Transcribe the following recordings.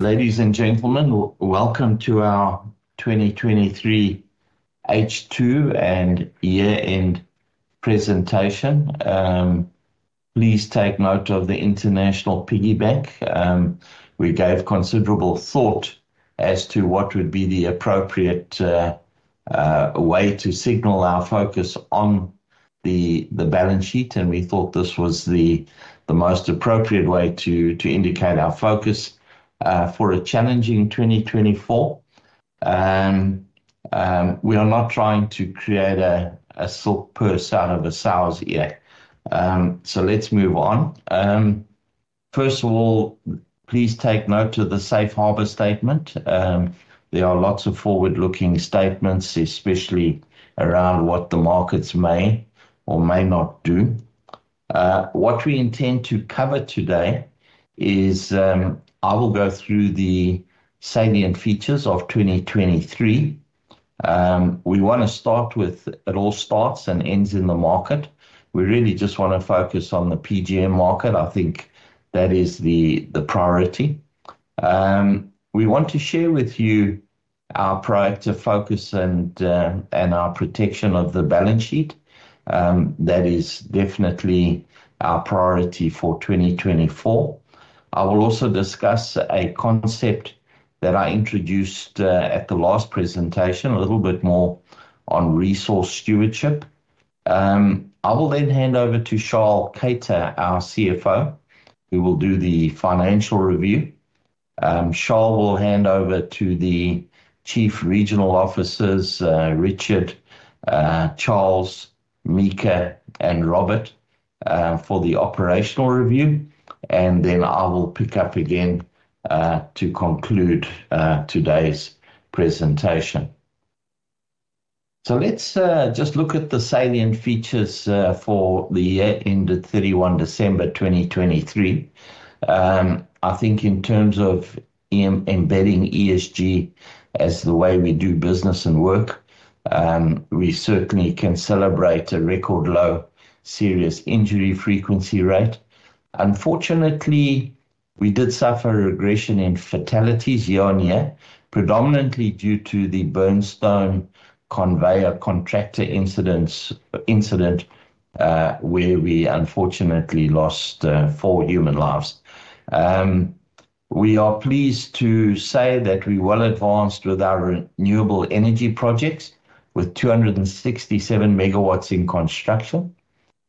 Ladies and gentlemen, welcome to our 2023 H2 and year-end presentation. Please take note of the international safe harbour. We gave considerable thought as to what would be the appropriate way to signal our focus on the balance sheet, and we thought this was the most appropriate way to indicate our focus for a challenging 2024. We are not trying to create a silk purse out of a sow's ear. So let's move on. First of all, please take note of the safe harbor statement. There are lots of forward-looking statements, especially around what the markets may or may not do. What we intend to cover today is, I will go through the salient features of 2023. We want to start with it all starts and ends in the market. We really just want to focus on the PGM market. I think that is the priority. We want to share with you our priority of focus and, and our protection of the balance sheet. That is definitely our priority for 2024. I will also discuss a concept that I introduced, at the last presentation, a little bit more on resource stewardship. I will then hand over to Charl Keyter, our CFO, who will do the financial review. Charl will hand over to the chief regional officers, Richard, Charles, Mika, and Robert, for the operational review, and then I will pick up again, to conclude, today's presentation. So let's, just look at the salient features, for the year ended 31 December 2023. I think in terms of embedding ESG as the way we do business and work, we certainly can celebrate a record low serious injury frequency rate. Unfortunately, we did suffer regression in fatalities year on year, predominantly due to the Burnstone conveyor contractor incident, where we unfortunately lost 4 human lives. We are pleased to say that we well advanced with our renewable energy projects with 267 megawatts in construction.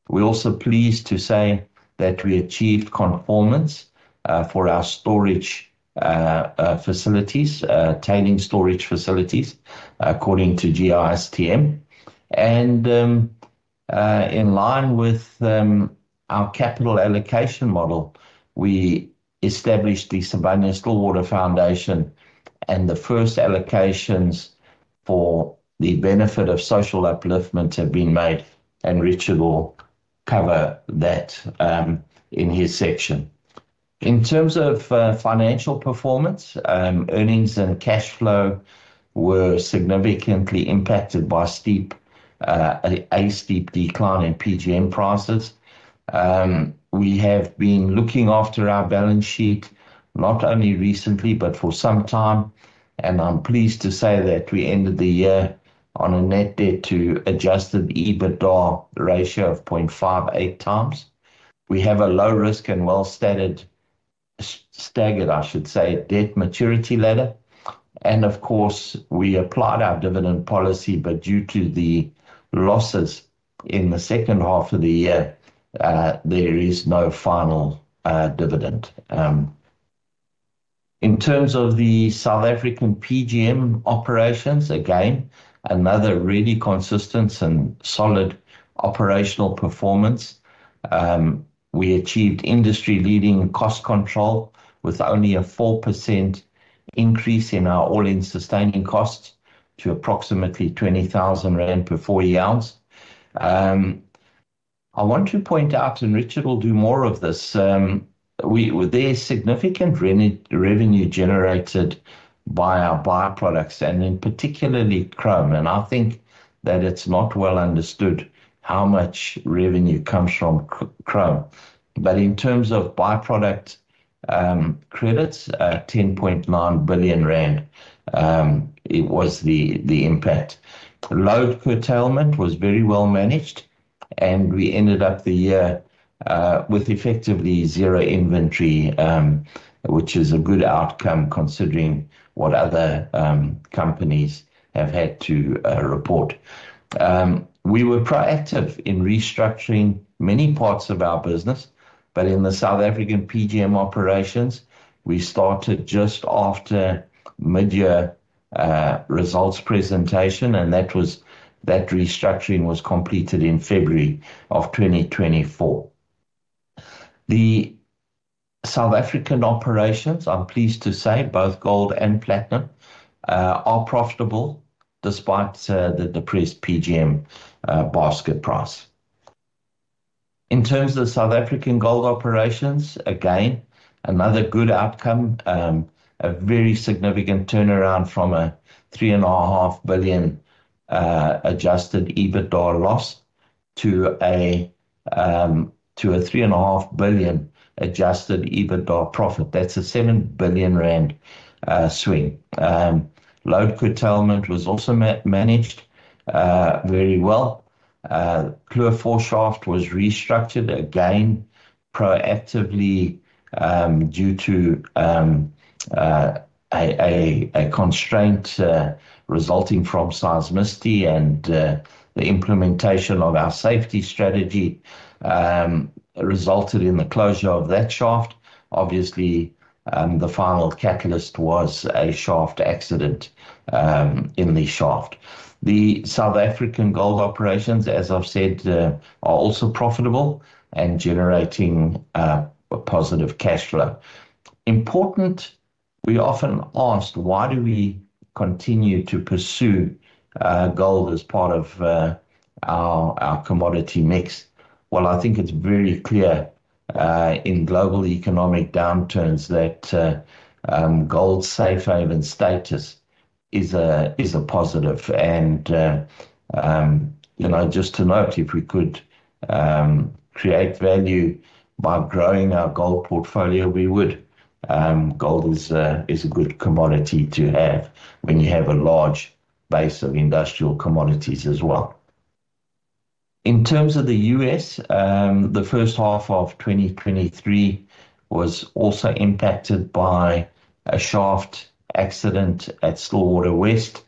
We're also pleased to say that we achieved conformance for our storage facilities, tailings storage facilities, according to GISTM. In line with our capital allocation model, we established the Sibanye-Stillwater Foundation, and the first allocations for the benefit of social upliftment have been made, and Richard will cover that in his section. In terms of financial performance, earnings and cash flow were significantly impacted by a steep decline in PGM prices. We have been looking after our balance sheet, not only recently, but for some time, and I'm pleased to say that we ended the year on a net debt to adjusted EBITDA ratio of 0.58 times. We have a low-risk and well-structured, staggered, I should say, debt maturity ladder. Of course, we applied our dividend policy, but due to the losses in the second half of the year, there is no final dividend. In terms of the South African PGM operations, again, another really consistent and solid operational performance. We achieved industry-leading cost control with only a 4% increase in our all-in sustaining costs to approximately 20,000 rand per 4E ounce. I want to point out, and Richard will do more of this, well, there is significant revenue generated by our byproducts, and in particular chrome, and I think that it's not well understood how much revenue comes from chrome. But in terms of byproduct credits, 10.9 billion rand, it was the impact. Load curtailment was very well managed, and we ended the year with effectively zero inventory, which is a good outcome considering what other companies have had to report. We were proactive in restructuring many parts of our business, but in the South African PGM operations, we started just after mid-year results presentation, and that restructuring was completed in February of 2024. The South African operations, I'm pleased to say, both gold and platinum, are profitable despite the depressed PGM basket price. In terms of the South African gold operations, again, another good outcome, a very significant turnaround from a 3.5 billion Adjusted EBITDA loss to a 3.5 billion Adjusted EBITDA profit. That's a 7 billion rand swing. Load curtailment was also managed very well. Kloof 4 shaft was restructured again, proactively, due to a constraint resulting from seismicity and the implementation of our safety strategy resulted in the closure of that shaft. Obviously, the final catalyst was a shaft accident in the shaft. The South African gold operations, as I've said, are also profitable and generating positive cash flow. Important, we often ask why do we continue to pursue gold as part of our commodity mix? Well, I think it's very clear in global economic downturns that gold safe haven status is a positive. You know, just to note, if we could create value by growing our gold portfolio, we would. Gold is a good commodity to have when you have a large base of industrial commodities as well. In terms of the U.S., the first half of 2023 was also impacted by a shaft accident at Stillwater West.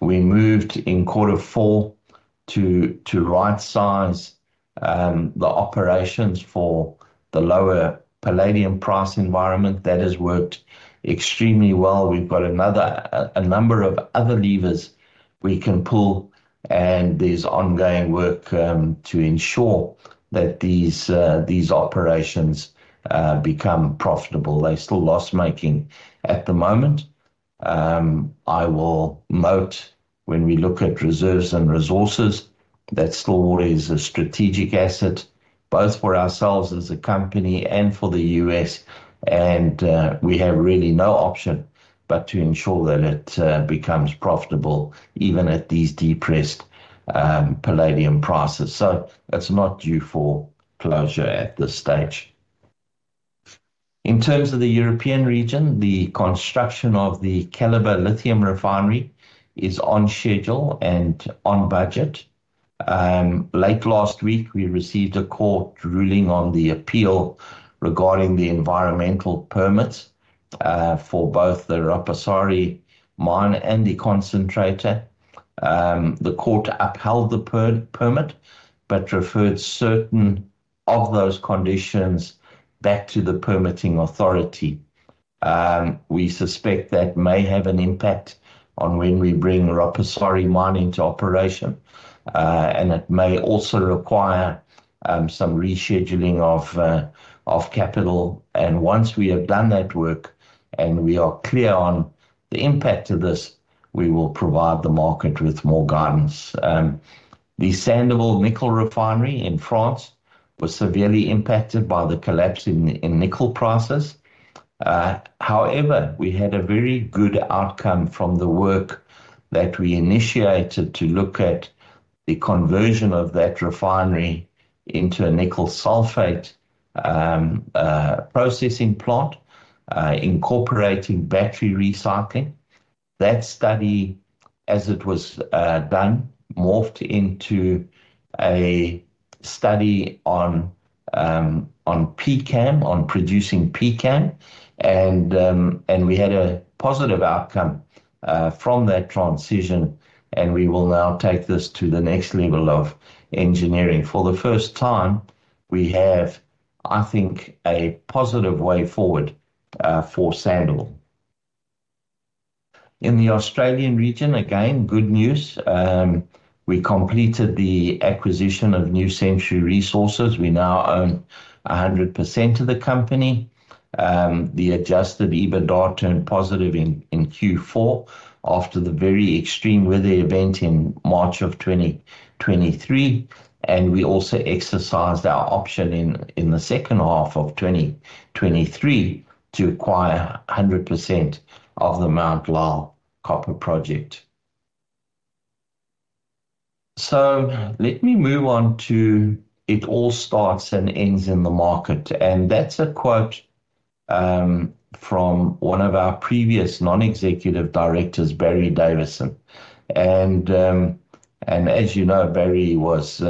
We moved in quarter four to right-size the operations for the lower palladium price environment. That has worked extremely well. We've got a number of other levers we can pull, and there's ongoing work to ensure that these operations become profitable. They're still loss-making at the moment. I will note, when we look at reserves and resources, that Stillwater is a strategic asset, both for ourselves as a company and for the U.S., and we have really no option but to ensure that it becomes profitable even at these depressed palladium prices. So it's not due for closure at this stage. In terms of the European region, the construction of the Keliber lithium refinery is on schedule and on budget. Late last week, we received a court ruling on the appeal regarding the environmental permits for both the Rapasaari mine and the concentrator. The court upheld the permit, but referred certain of those conditions back to the permitting authority. We suspect that may have an impact on when we bring Rapasaari mine into operation, and it may also require some rescheduling of capital. Once we have done that work and we are clear on the impact of this, we will provide the market with more guidance. The Sandouville nickel refinery in France was severely impacted by the collapse in nickel prices. However, we had a very good outcome from the work that we initiated to look at the conversion of that refinery into a nickel sulfate processing plant, incorporating battery recycling. That study done morphed into a study on PCAM, on producing PCAM, and we had a positive outcome from that transition, and we will now take this to the next level of engineering. For the first time, we have, I think, a positive way forward for Sandouville. In the Australian region, again, good news. We completed the acquisition of New Century Resources. We now own 100% of the company. The Adjusted EBITDA turned positive in Q4 after the very extreme weather event in March of 2023, and we also exercised our option in the second half of 2023 to acquire 100% of the Mount Lyell copper project. So let me move on to it all starts and ends in the market. And that's a quote from one of our previous non-executive directors, Barry Davison. And as you know, Barry was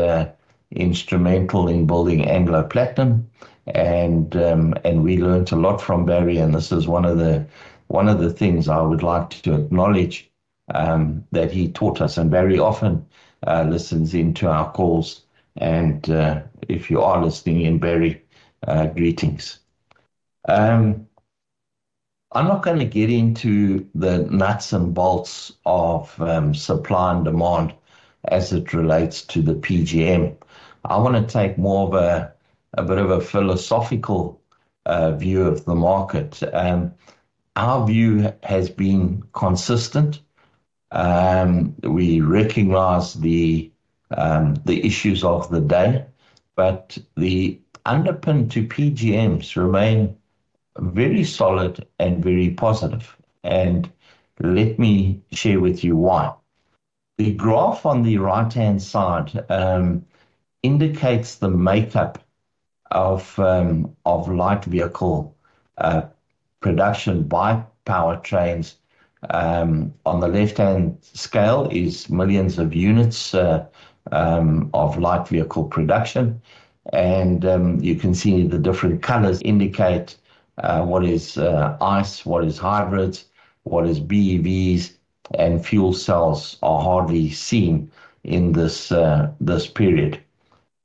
instrumental in building Anglo Platinum, and we learned a lot from Barry, and this is one of the things I would like to acknowledge that he taught us, and very often listens into our calls. And if you are listening in, Barry, greetings. I'm not going to get into the nuts and bolts of supply and demand as it relates to the PGM. I want to take more of a bit of a philosophical view of the market. Our view has been consistent. We recognize the issues of the day, but the underpinnings to PGMs remain very solid and very positive. Let me share with you why. The graph on the right-hand side indicates the makeup of light vehicle production by powertrains. On the left-hand scale is millions of units of light vehicle production. And you can see the different colors indicate what is ICE, what is hybrids, what is BEVs, and fuel cells are hardly seen in this period.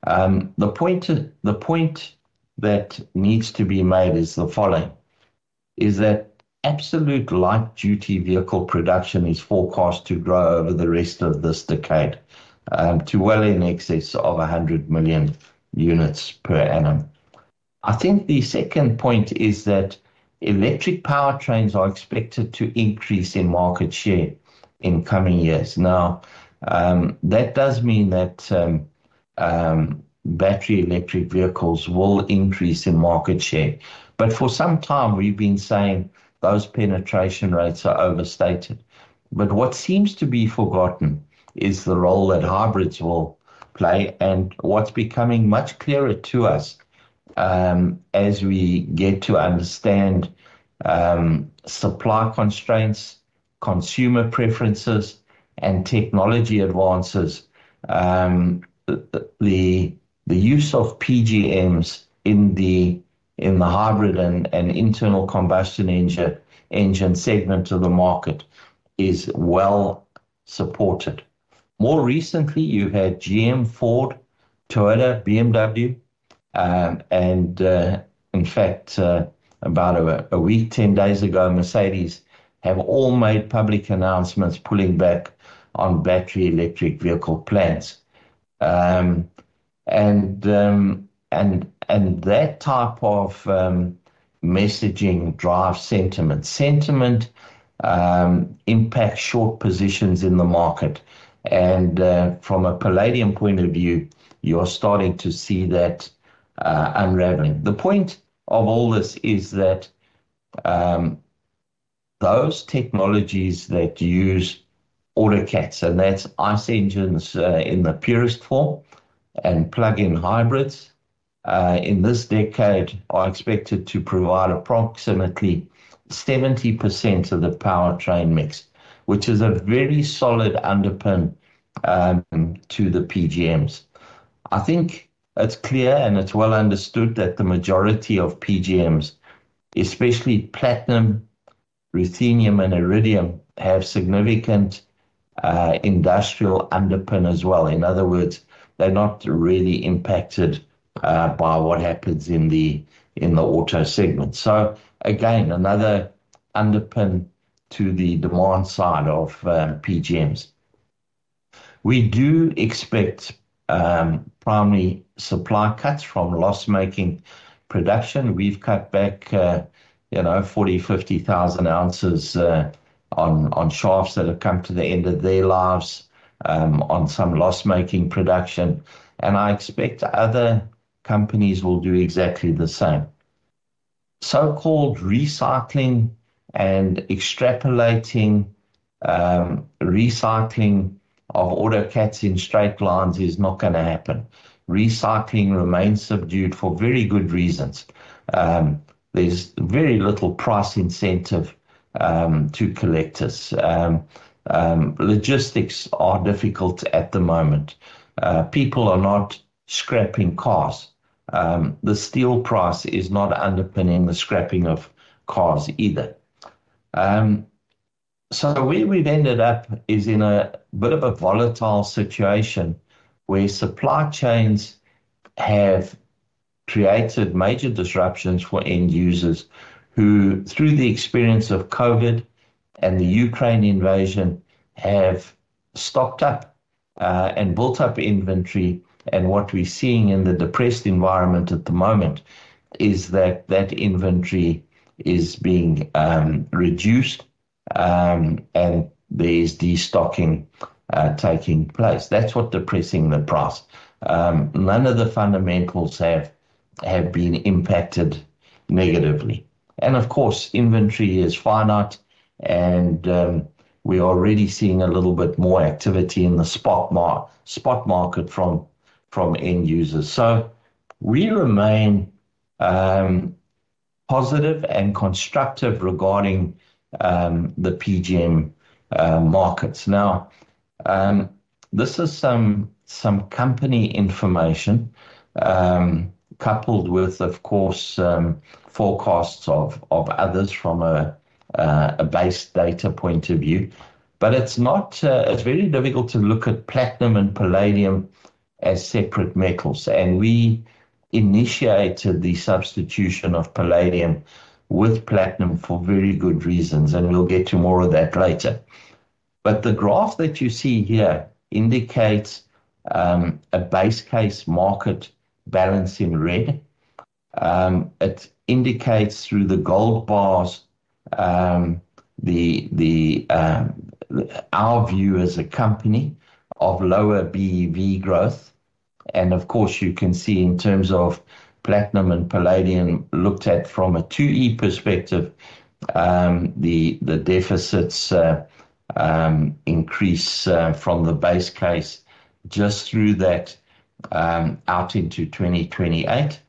The point that needs to be made is the following, that absolute light-duty vehicle production is forecast to grow over the rest of this decade, to well in excess of 100 million units per annum. I think the second point is that electric powertrains are expected to increase in market share in coming years. Now, that does mean that battery electric vehicles will increase in market share. But for some time, we've been saying those penetration rates are overstated. But what seems to be forgotten is the role that hybrids will play, and what's becoming much clearer to us, as we get to understand supply constraints, consumer preferences, and technology advances, the use of PGMs in the hybrid and internal combustion engine segment of the market is well supported. More recently, you had GM, Ford, Toyota, BMW, and, in fact, about a week, 10 days ago, Mercedes have all made public announcements pulling back on battery electric vehicle plants. And that type of messaging drives sentiment. Sentiment impacts short positions in the market. From a palladium point of view, you're starting to see that unraveling. The point of all this is that those technologies that use autocats, and that's ICE engines, in the purest form, and plug-in hybrids, in this decade, are expected to provide approximately 70% of the powertrain mix, which is a very solid underpin to the PGMs. I think it's clear and it's well understood that the majority of PGMs, especially platinum, ruthenium, and iridium, have significant industrial underpin as well. In other words, they're not really impacted by what happens in the auto segment. So again, another underpin to the demand side of PGMs. We do expect primarily supply cuts from loss-making production. We've cut back, you know, 40,000-50,000 ounces on shafts that have come to the end of their lives, on some loss-making production. I expect other companies will do exactly the same. So-called recycling and extrapolating, recycling of autocats in straight lines is not going to happen. Recycling remains subdued for very good reasons. There's very little price incentive to collectors. Logistics are difficult at the moment. People are not scrapping cars. The steel price is not underpinning the scrapping of cars either. So where we've ended up is in a bit of a volatile situation where supply chains have created major disruptions for end users who, through the experience of COVID and the Ukraine invasion, have stocked up and built up inventory. What we're seeing in the depressed environment at the moment is that that inventory is being reduced, and there's destocking taking place. That's what's depressing the price. None of the fundamentals have been impacted negatively. And of course, inventory is finite, and we're already seeing a little bit more activity in the spot market from end users. So we remain positive and constructive regarding the PGM markets. Now, this is some company information, coupled with, of course, forecasts of others from a base data point of view. But it's not; it's very difficult to look at platinum and palladium as separate metals. And we initiated the substitution of palladium with platinum for very good reasons, and we'll get to more of that later. But the graph that you see here indicates a base case market balanced in red. It indicates through the gold bars, our view as a company of lower BEV growth. Of course, you can see in terms of platinum and palladium looked at from a 2E perspective, the deficits increase from the base case just through that out into 2028.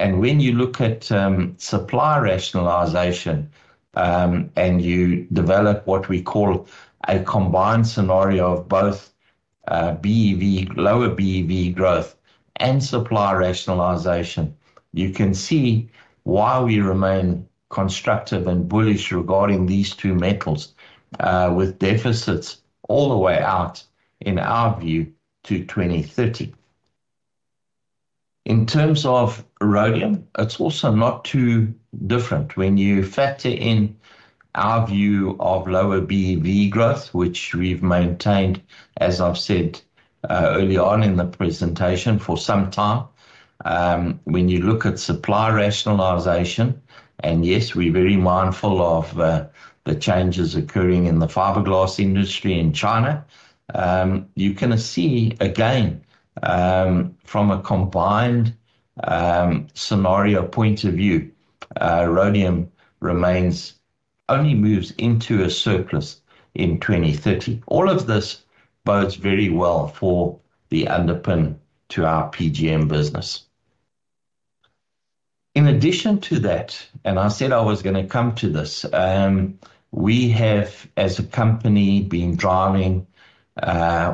When you look at supply rationalization, and you develop what we call a combined scenario of both BEV, lower BEV growth, and supply rationalization, you can see why we remain constructive and bullish regarding these two metals, with deficits all the way out, in our view, to 2030. In terms of rhodium, it's also not too different. When you factor in our view of lower BEV growth, which we've maintained, as I've said, early on in the presentation for some time, when you look at supply rationalization, and yes, we're very mindful of the changes occurring in the fiberglass industry in China, you can see, again, from a combined scenario point of view, rhodium remains only moves into a surplus in 2030. All of this bodes very well for the underpin to our PGM business. In addition to that, and I said I was going to come to this, we have, as a company, been driving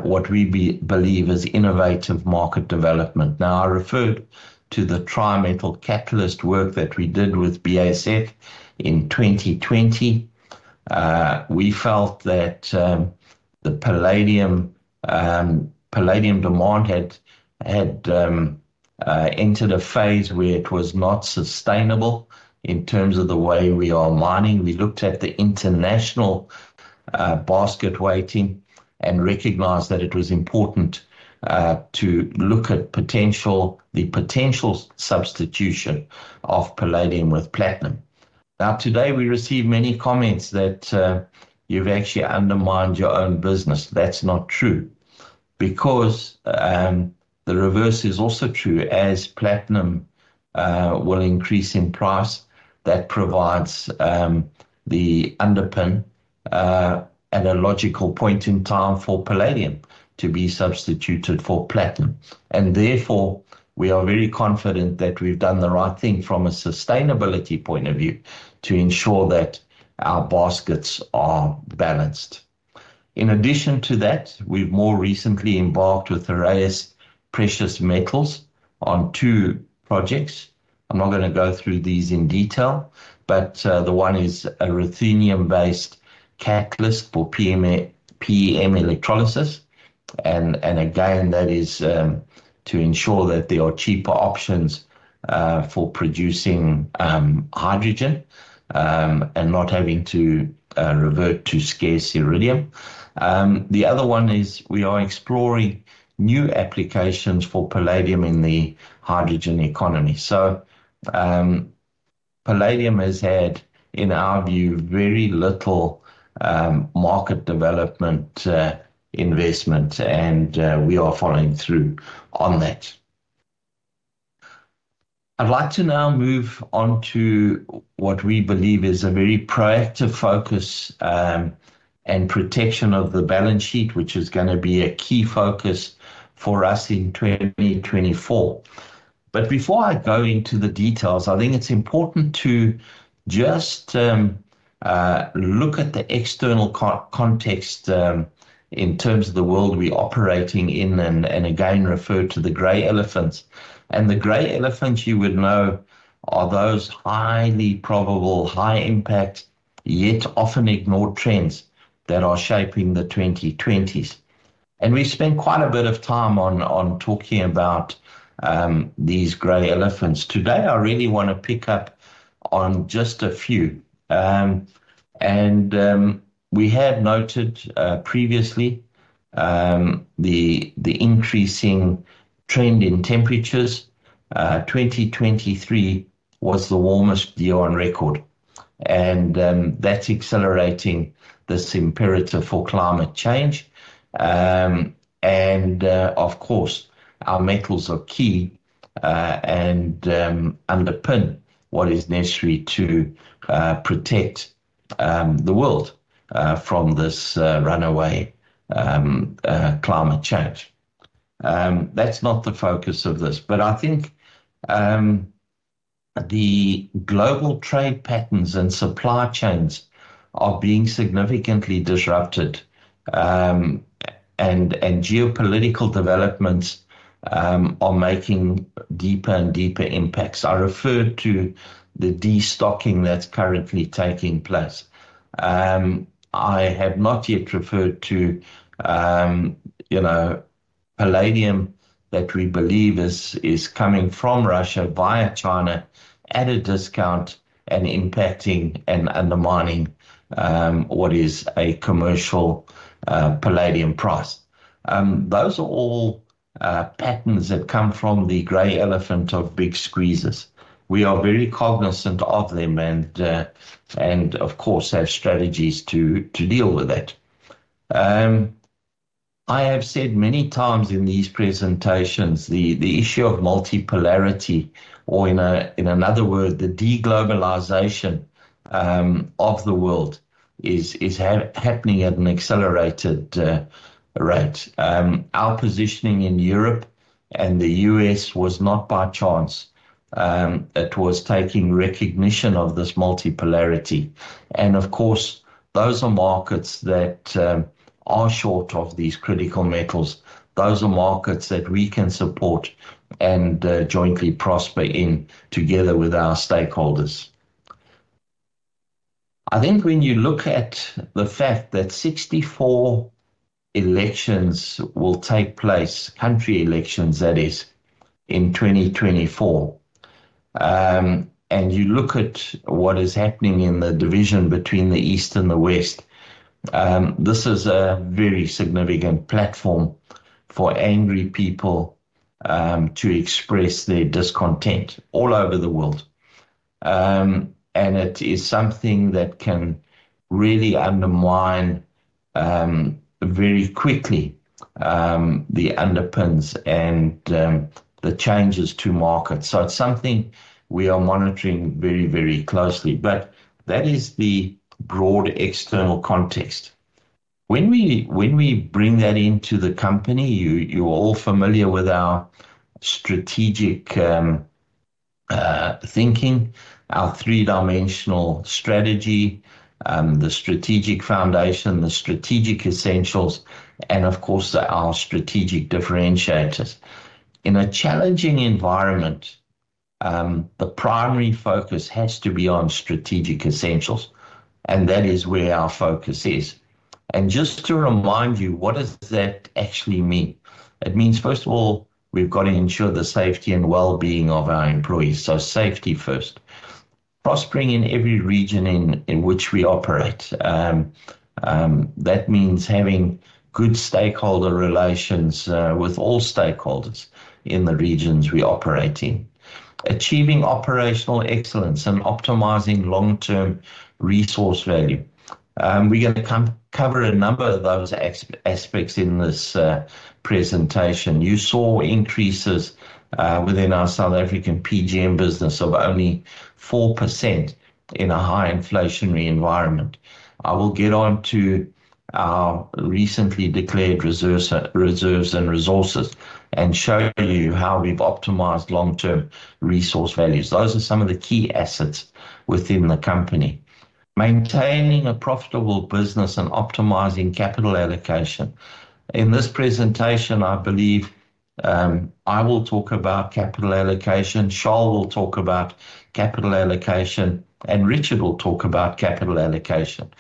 what we believe is innovative market development. Now, I referred to the Trimetal Catalyst work that we did with BASF in 2020. We felt that the palladium demand had entered a phase where it was not sustainable in terms of the way we are mining. We looked at the international basket weighting and recognized that it was important to look at the potential substitution of palladium with platinum. Now, today we receive many comments that you've actually undermined your own business. That's not true, because the reverse is also true. As platinum will increase in price, that provides the underpin at a logical point in time for palladium to be substituted for platinum. And therefore, we are very confident that we've done the right thing from a sustainability point of view to ensure that our baskets are balanced. In addition to that, we've more recently embarked with Heraeus Precious Metals on two projects. I'm not going to go through these in detail, but the one is a ruthenium-based catalyst for PEM electrolysis. And, and again, that is to ensure that there are cheaper options for producing hydrogen and not having to revert to scarce iridium. The other one is we are exploring new applications for palladium in the hydrogen economy. So, palladium has had, in our view, very little market development, investment, and we are following through on that. I'd like to now move on to what we believe is a very proactive focus and protection of the balance sheet, which is going to be a key focus for us in 2024. But before I go into the details, I think it's important to just look at the external context, in terms of the world we're operating in, and again refer to the gray elephants. And the gray elephants, you would know, are those highly probable, high-impact, yet often ignored trends that are shaping the 2020s. We spent quite a bit of time on talking about these gray elephants. Today, I really want to pick up on just a few. We had noted previously the increasing trend in temperatures. 2023 was the warmest year on record, and that's accelerating this imperative for climate change. Of course, our metals are key and underpin what is necessary to protect the world from this runaway climate change. That's not the focus of this, but I think the global trade patterns and supply chains are being significantly disrupted, and geopolitical developments are making deeper and deeper impacts. I referred to the destocking that's currently taking place. I have not yet referred to, you know, palladium that we believe is coming from Russia via China at a discount and impacting and undermining what is a commercial palladium price. Those are all patterns that come from the grey elephant of big squeezes. We are very cognizant of them and of course have strategies to deal with that. I have said many times in these presentations, the issue of multipolarity, or in another word, the deglobalization of the world is happening at an accelerated rate. Our positioning in Europe and the U.S. was not by chance. It was taking recognition of this multipolarity. And of course, those are markets that are short of these critical metals. Those are markets that we can support and jointly prosper in together with our stakeholders. I think when you look at the fact that 64 elections will take place, country elections, that is, in 2024, and you look at what is happening in the division between the East and the West, this is a very significant platform for angry people to express their discontent all over the world. And it is something that can really undermine, very quickly, the underpins and the changes to market. So it's something we are monitoring very, very closely, but that is the broad external context. When we bring that into the company, you, you're all familiar with our strategic thinking, our three-dimensional strategy, the strategic foundation, the strategic essentials, and of course, our strategic differentiators. In a challenging environment, the primary focus has to be on strategic essentials, and that is where our focus is. And just to remind you, what does that actually mean? It means, first of all, we've got to ensure the safety and well-being of our employees. So safety first. Prospering in every region in which we operate. That means having good stakeholder relations, with all stakeholders in the regions we operate in. Achieving operational excellence and optimizing long-term resource value. We're going to cover a number of those aspects in this presentation. You saw increases within our South African PGM business of only 4% in a high inflationary environment. I will get on to our recently declared reserves and resources and show you how we've optimized long-term resource values. Those are some of the key assets within the company. Maintaining a profitable business and optimizing capital allocation. In this presentation, I believe, I will talk about capital allocation, Charles will talk about capital allocation, and Richard will talk about capital allocation.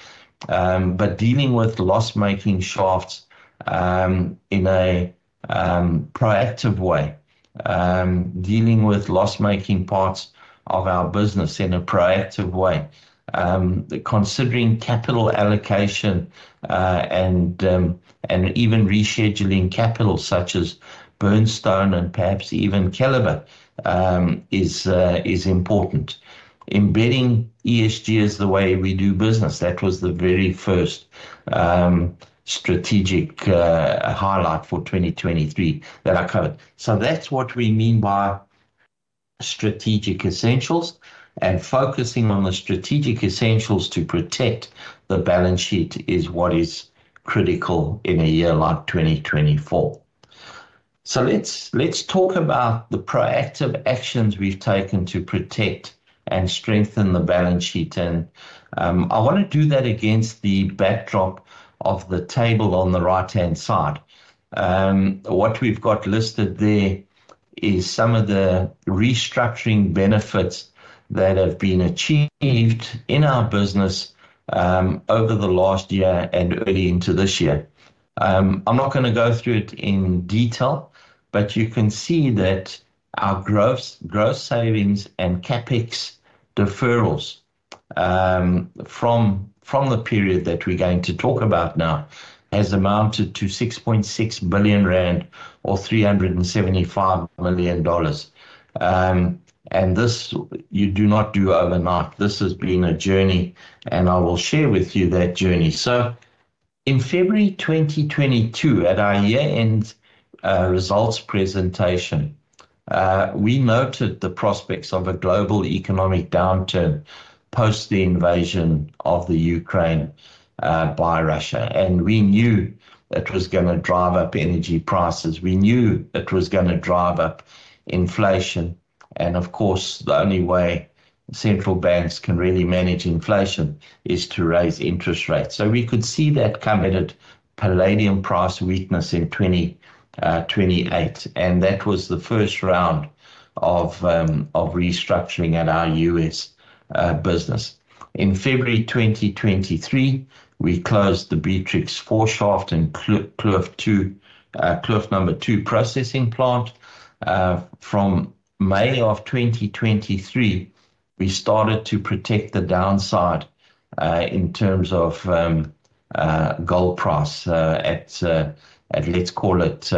But dealing with loss-making shafts in a proactive way, dealing with loss-making parts of our business in a proactive way, considering capital allocation, and even rescheduling capital such as Burnstone and perhaps even Keliber, is important. Embedding ESG as the way we do business, that was the very first strategic highlight for 2023 that I covered. So that's what we mean by strategic essentials, and focusing on the strategic essentials to protect the balance sheet is what is critical in a year like 2024. So let's talk about the proactive actions we've taken to protect and strengthen the balance sheet. I want to do that against the backdrop of the table on the right-hand side. What we've got listed there is some of the restructuring benefits that have been achieved in our business over the last year and early into this year. I'm not going to go through it in detail, but you can see that our growth savings and CapEx deferrals, from the period that we're going to talk about now, has amounted to 6.6 billion rand or $375 million. And this, you do not do overnight. This has been a journey, and I will share with you that journey. So, in February 2022, at our year-end results presentation, we noted the prospects of a global economic downturn post the invasion of the Ukraine by Russia. And we knew it was going to drive up energy prices. We knew it was going to drive up inflation. And of course, the only way central banks can really manage inflation is to raise interest rates. So we could see that come. Added palladium price weakness in 2028. And that was the first round of restructuring at our U.S. business. In February 2023, we closed the Beatrix IV shaft and Kloof II, Kloof number 2 processing plant. From May of 2023, we started to protect the downside, in terms of, gold price, at, at let's call it,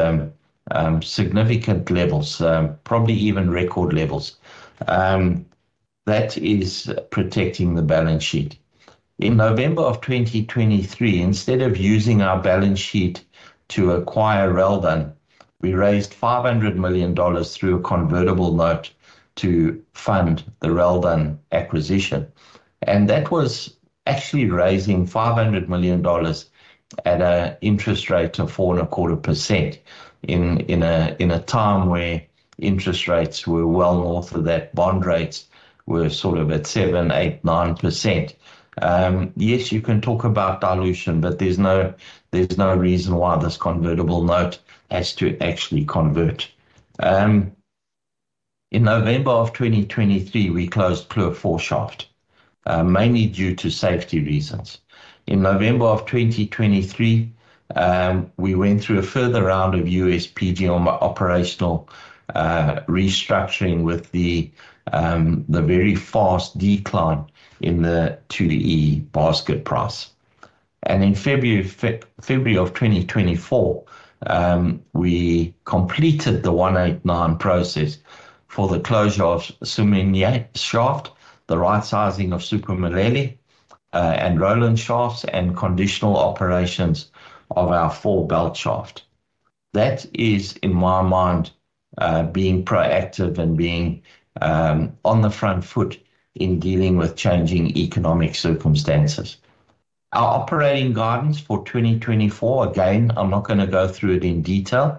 significant levels, probably even record levels. That is protecting the balance sheet. In November of 2023, instead of using our balance sheet to acquire Reldan, we raised $500 million through a convertible note to fund the Reldan acquisition. And that was actually raising $500 million dollars at an interest rate of 4.25% in, in a, in a time where interest rates were well north of that, bond rates were sort of at 7%, 8%, 9%. Yes, you can talk about dilution, but there's no, there's no reason why this convertible note has to actually convert. In November of 2023, we closed Kloof 4 shaft, mainly due to safety reasons. In November of 2023, we went through a further round of U.S. PGM operational restructuring with the very fast decline in the 2E basket price. In February of 2024, we completed the Section 189 process for the closure of Souminyat shaft, the right-sizing of Super Melele and Roland shafts, and conditional operations of our 4 belt shaft. That is, in my mind, being proactive and being on the front foot in dealing with changing economic circumstances. Our operating guidance for 2024, again, I'm not going to go through it in detail,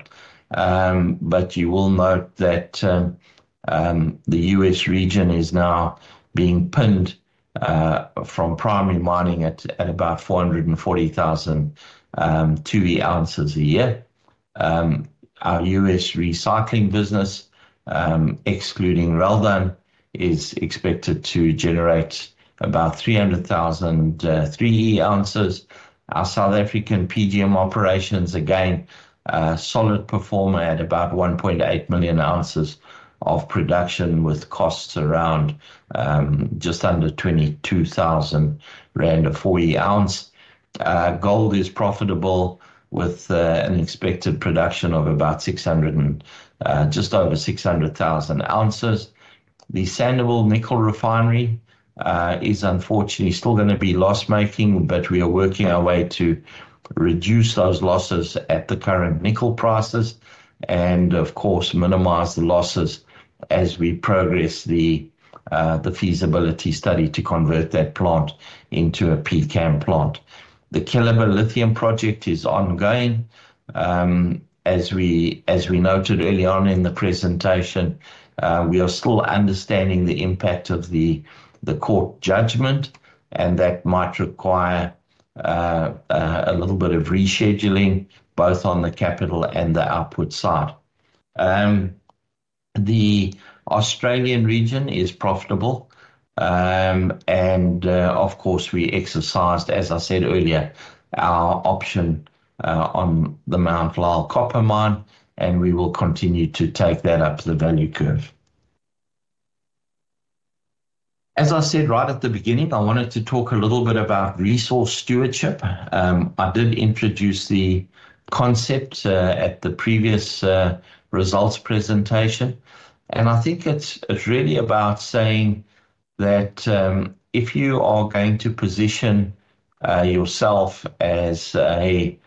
but you will note that the U.S. region is now being pinned from primary mining at about 440,000 2E ounces a year. Our U.S. recycling business, excluding Reldan, is expected to generate about 300,000 3E ounces. Our South African PGM operations, again, solid performer at about 1.8 million ounces of production with costs around, just under 22,000 rand a 4E ounce. Gold is profitable with an expected production of about 600,000, just over 600,000 ounces. The Sandouville nickel refinery is unfortunately still going to be loss-making, but we are working our way to reduce those losses at the current nickel prices and, of course, minimize the losses as we progress the feasibility study to convert that plant into a pCAM plant. The Keliber lithium project is ongoing. As we noted early on in the presentation, we are still understanding the impact of the court judgment, and that might require a little bit of rescheduling, both on the capital and the output side. The Australian region is profitable. Of course, we exercised, as I said earlier, our option on the Mount Lyell Copper Mine, and we will continue to take that up the value curve. As I said right at the beginning, I wanted to talk a little bit about resource stewardship. I did introduce the concept at the previous results presentation. I think it's really about saying that if you are going to position yourself as a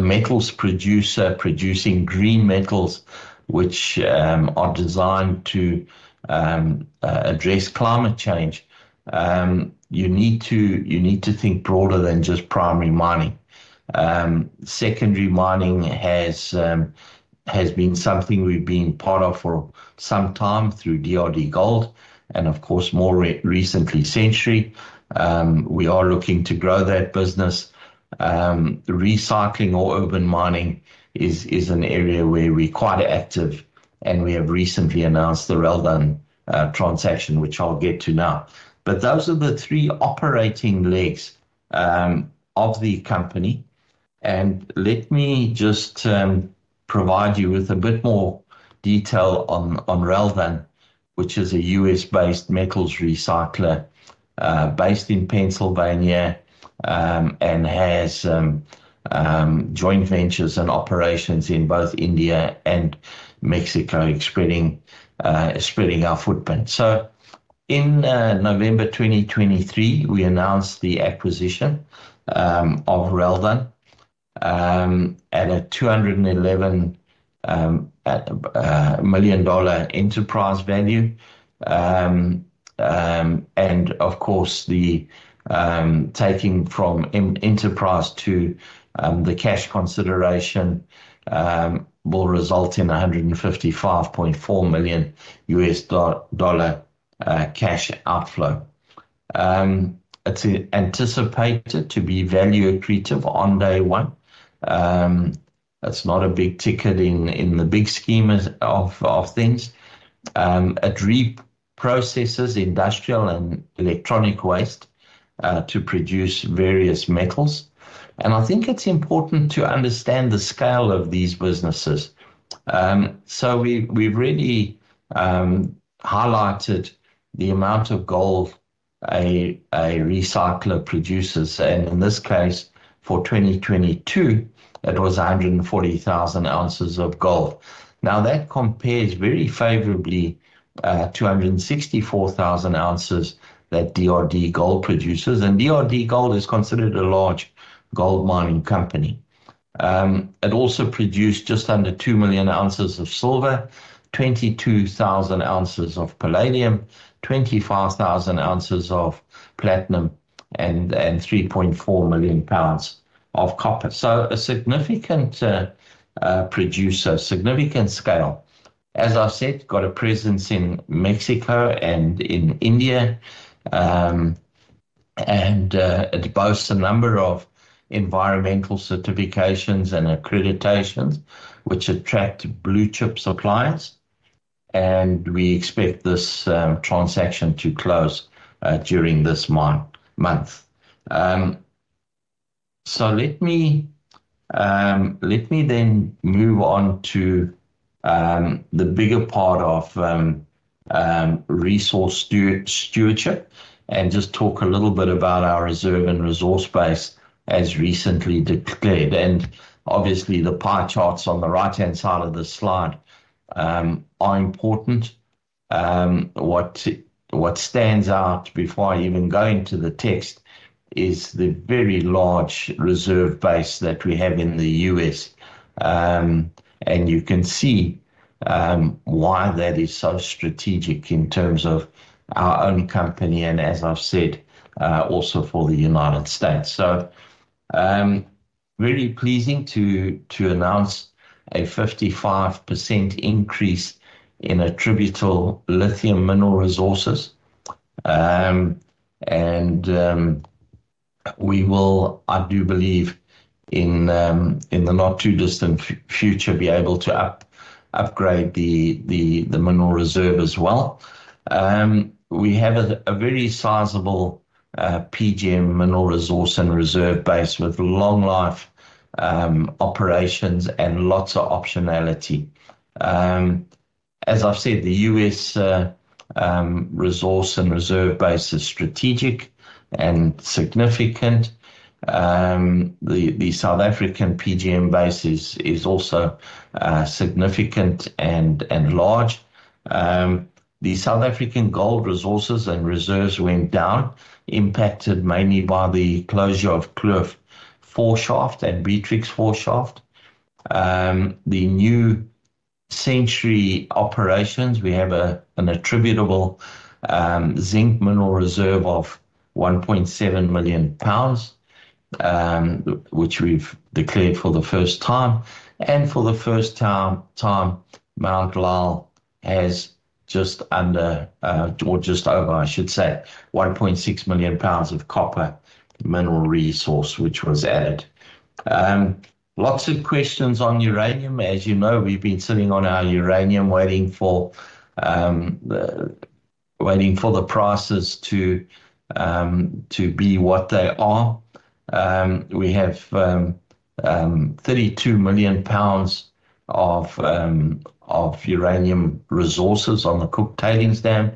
metals producer producing green metals, which are designed to address climate change, you need to think broader than just primary mining. Secondary mining has been something we've been part of for some time through DRD Gold, and of course, more recently, Century. We are looking to grow that business. Recycling or urban mining is an area where we're quite active, and we have recently announced the Reldan transaction, which I'll get to now. But those are the three operating legs of the company. And let me just provide you with a bit more detail on Reldan, which is a U.S.-based metals recycler based in Pennsylvania, and has joint ventures and operations in both India and Mexico, spreading our footprint. So, in November 2023, we announced the acquisition of Reldan at a $211 million enterprise value. And of course, the taking from enterprise to the cash consideration will result in $155.4 million cash outflow. It's anticipated to be value accretive on day one. It's not a big ticket in the big scheme of things. It reprocesses industrial and electronic waste to produce various metals. I think it's important to understand the scale of these businesses. So we've really highlighted the amount of gold a recycler produces. And in this case, for 2022, it was 140,000 ounces of gold. Now, that compares very favorably, 264,000 ounces that DRD Gold produces. And DRD Gold is considered a large gold mining company. It also produced just under 2 million ounces of silver, 22,000 ounces of palladium, 25,000 ounces of platinum, and 3.4 million pounds of copper. So, a significant producer, significant scale. As I said, got a presence in Mexico and in India. And it boasts a number of environmental certifications and accreditations, which attract blue chip suppliers. And we expect this transaction to close during this month. Let me then move on to the bigger part of resource stewardship and just talk a little bit about our reserve and resource base, as recently declared. Obviously, the pie charts on the right-hand side of the slide are important. What stands out before I even go into the text is the very large reserve base that we have in the U.S. You can see why that is so strategic in terms of our own company and, as I've said, also for the United States. Very pleasing to announce a 55% increase in attributable lithium mineral resources. We will, I do believe, in the not too distant future, be able to upgrade the mineral reserve as well. We have a very sizable PGM mineral resource and reserve base with long-life operations and lots of optionality. As I've said, the U.S. resource and reserve base is strategic and significant. The South African PGM base is also significant and large. The South African gold resources and reserves went down, impacted mainly by the closure of Kloof IV shaft and Beatrix IV shaft. The New Century operations, we have an attributable zinc mineral reserve of 1.7 million, which we've declared for the first time. And for the first time, Mount Lyell has just under, or just over, I should say, 1.6 million pounds of copper mineral resource, which was added. Lots of questions on uranium. As you know, we've been sitting on our uranium, waiting for the prices to be what they are. We have 32 million pounds of uranium resources on the Cooke Tailings Dam,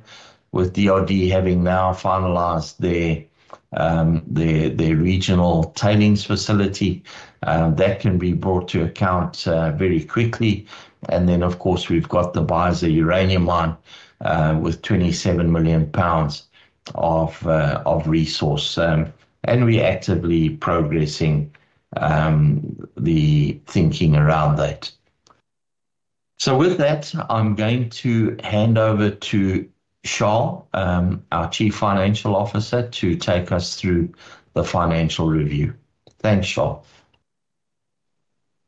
with DRD having now finalized their regional tailings facility. that can be brought to account, very quickly. And then, of course, we've got the Biser uranium mine, with 27 million pounds of, of resource. and we're actively progressing, the thinking around that. So, with that, I'm going to hand over to Charles, our Chief Financial Officer, to take us through the financial review. Thanks, Charles.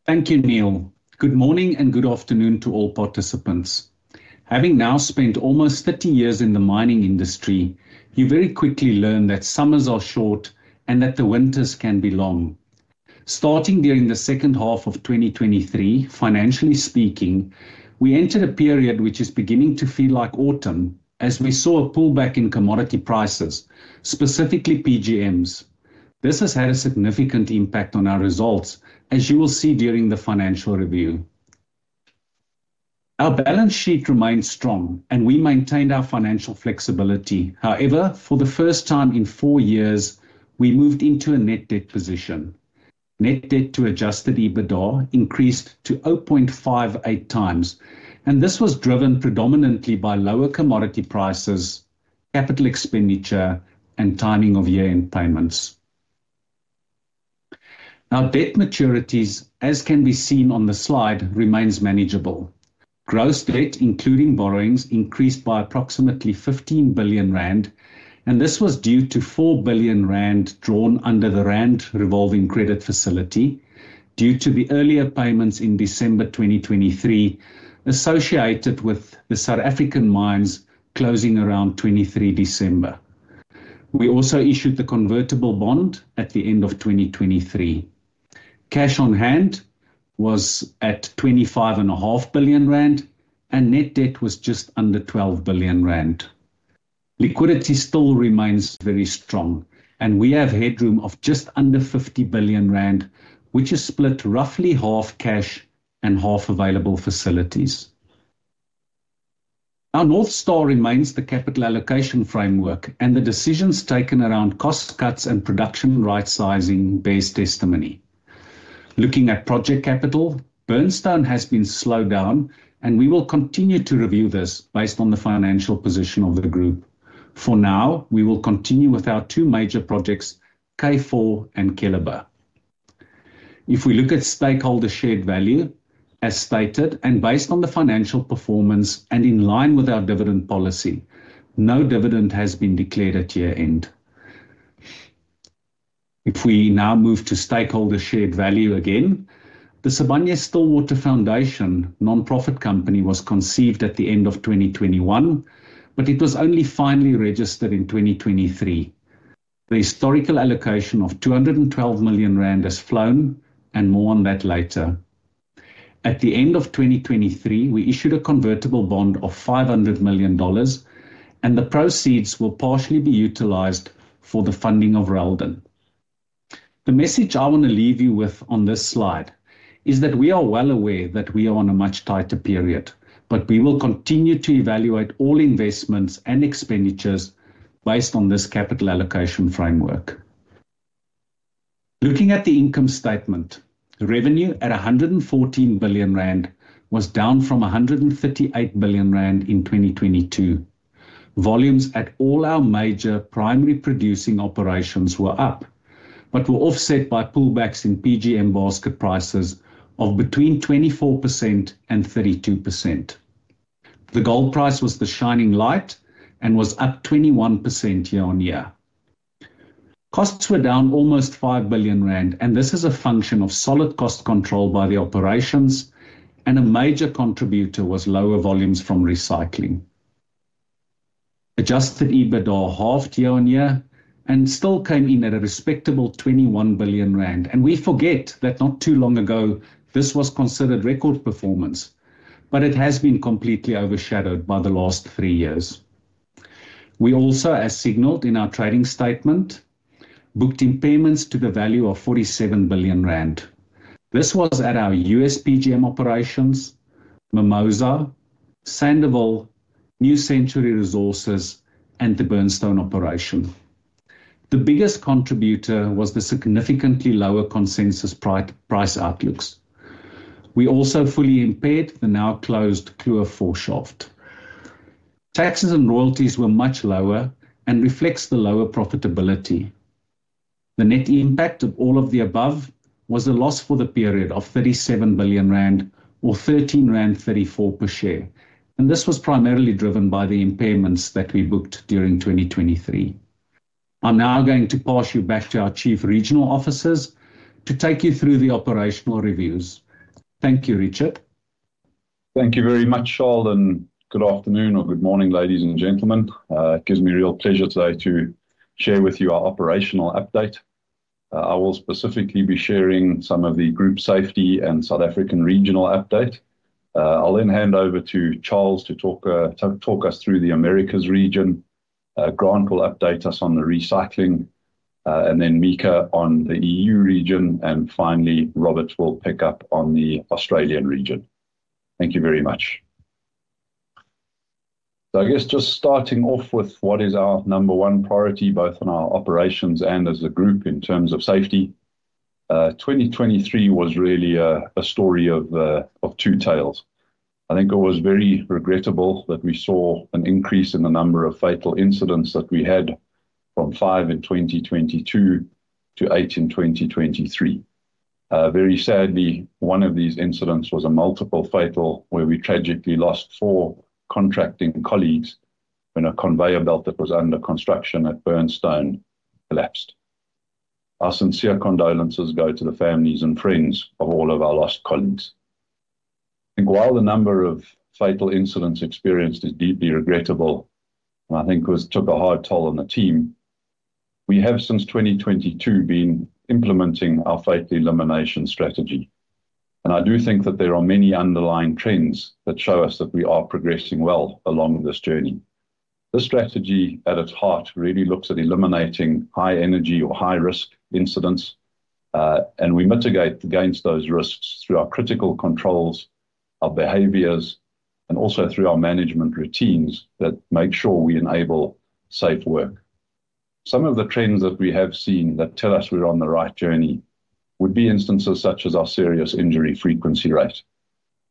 Thank you, Neal. Good morning and good afternoon to all participants. Having now spent almost 30 years in the mining industry, you very quickly learn that summers are short and that the winters can be long. Starting during the second half of 2023, financially speaking, we entered a period which is beginning to feel like autumn as we saw a pullback in commodity prices, specifically PGMs. This has had a significant impact on our results, as you will see during the financial review. Our balance sheet remained strong, and we maintained our financial flexibility. However, for the first time in four years, we moved into a net debt position. Net debt to Adjusted EBITDA increased to 0.58 times, and this was driven predominantly by lower commodity prices, capital expenditure, and timing of year-end payments. Now, debt maturities, as can be seen on the slide, remains manageable. Gross debt, including borrowings, increased by approximately 15 billion rand, and this was due to 4 billion rand drawn under the ZAR Revolving Credit Facility due to the earlier payments in December 2023, associated with the South African mines closing around 23 December. We also issued the convertible bond at the end of 2023. Cash on hand was at 25.5 billion rand, and net debt was just under 12 billion rand. Liquidity still remains very strong, and we have headroom of just under 50 billion rand, which is split roughly half cash and half available facilities. Our North Star remains the capital allocation framework and the decisions taken around cost cuts and production right-sizing bears testimony. Looking at project capital, Burnstone has been slowed down, and we will continue to review this based on the financial position of the group. For now, we will continue with our two major projects, K4 and Keliber. If we look at stakeholder shared value, as stated, and based on the financial performance and in line with our dividend policy, no dividend has been declared at year-end. If we now move to stakeholder shared value again, the Sibanye-Stillwater Foundation nonprofit company was conceived at the end of 2021, but it was only finally registered in 2023. The historical allocation of GBP 212 million has flown, and more on that later. At the end of 2023, we issued a convertible bond of $500 million, and the proceeds will partially be utilized for the funding of Reldan. The message I want to leave you with on this slide is that we are well aware that we are on a much tighter period, but we will continue to evaluate all investments and expenditures based on this capital allocation framework. Looking at the income statement, revenue at 114 billion rand was down from 138 billion rand in 2022. Volumes at all our major primary producing operations were up, but were offset by pullbacks in PGM basket prices of between 24%-32%. The gold price was the shining light and was up 21% year-on-year. Costs were down almost 5 billion rand, and this is a function of solid cost control by the operations, and a major contributor was lower volumes from recycling. Adjusted EBITDA halved year on year and still came in at a respectable 21 billion rand, and we forget that not too long ago this was considered record performance, but it has been completely overshadowed by the last three years. We also, as signaled in our trading statement, booked impairments to the value of 47 billion rand. This was at our US PGM operations, Mimosa, Sandouville, New Century Resources, and the Burnstone operation. The biggest contributor was the significantly lower consensus price outlooks. We also fully impaired the now closed Kloof 4 shaft. Taxes and royalties were much lower and reflect the lower profitability. The net impact of all of the above was a loss for the period of 37 billion rand or 13.34 rand per share, and this was primarily driven by the impairments that we booked during 2023. I'm now going to pass you back to our Chief Regional Officers to take you through the operational reviews. Thank you, Richard. Thank you very much, Charles, and good afternoon or good morning, ladies and gentlemen. It gives me real pleasure today to share with you our operational update. I will specifically be sharing some of the Group Safety and South African Regional update. I'll then hand over to Charles to talk us through the Americas region. Grant will update us on the recycling, and then Mika on the EU region, and finally, Robert will pick up on the Australian region. Thank you very much. So, I guess just starting off with what is our number one priority, both in our operations and as a group in terms of safety. 2023 was really a story of two tales. I think it was very regrettable that we saw an increase in the number of fatal incidents that we had from 5 in 2022 to 8 in 2023. Very sadly, one of these incidents was a multiple fatal where we tragically lost 4 contracting colleagues when a conveyor belt that was under construction at Burnstone collapsed. Our sincere condolences go to the families and friends of all of our lost colleagues. I think while the number of fatal incidents experienced is deeply regrettable, and I think it took a hard toll on the team, we have since 2022 been implementing our fatal elimination strategy. I do think that there are many underlying trends that show us that we are progressing well along this journey. This strategy, at its heart, really looks at eliminating high-energy or high-risk incidents, and we mitigate against those risks through our critical controls, our behaviors, and also through our management routines that make sure we enable safe work. Some of the trends that we have seen that tell us we're on the right journey would be instances such as our serious injury frequency rate.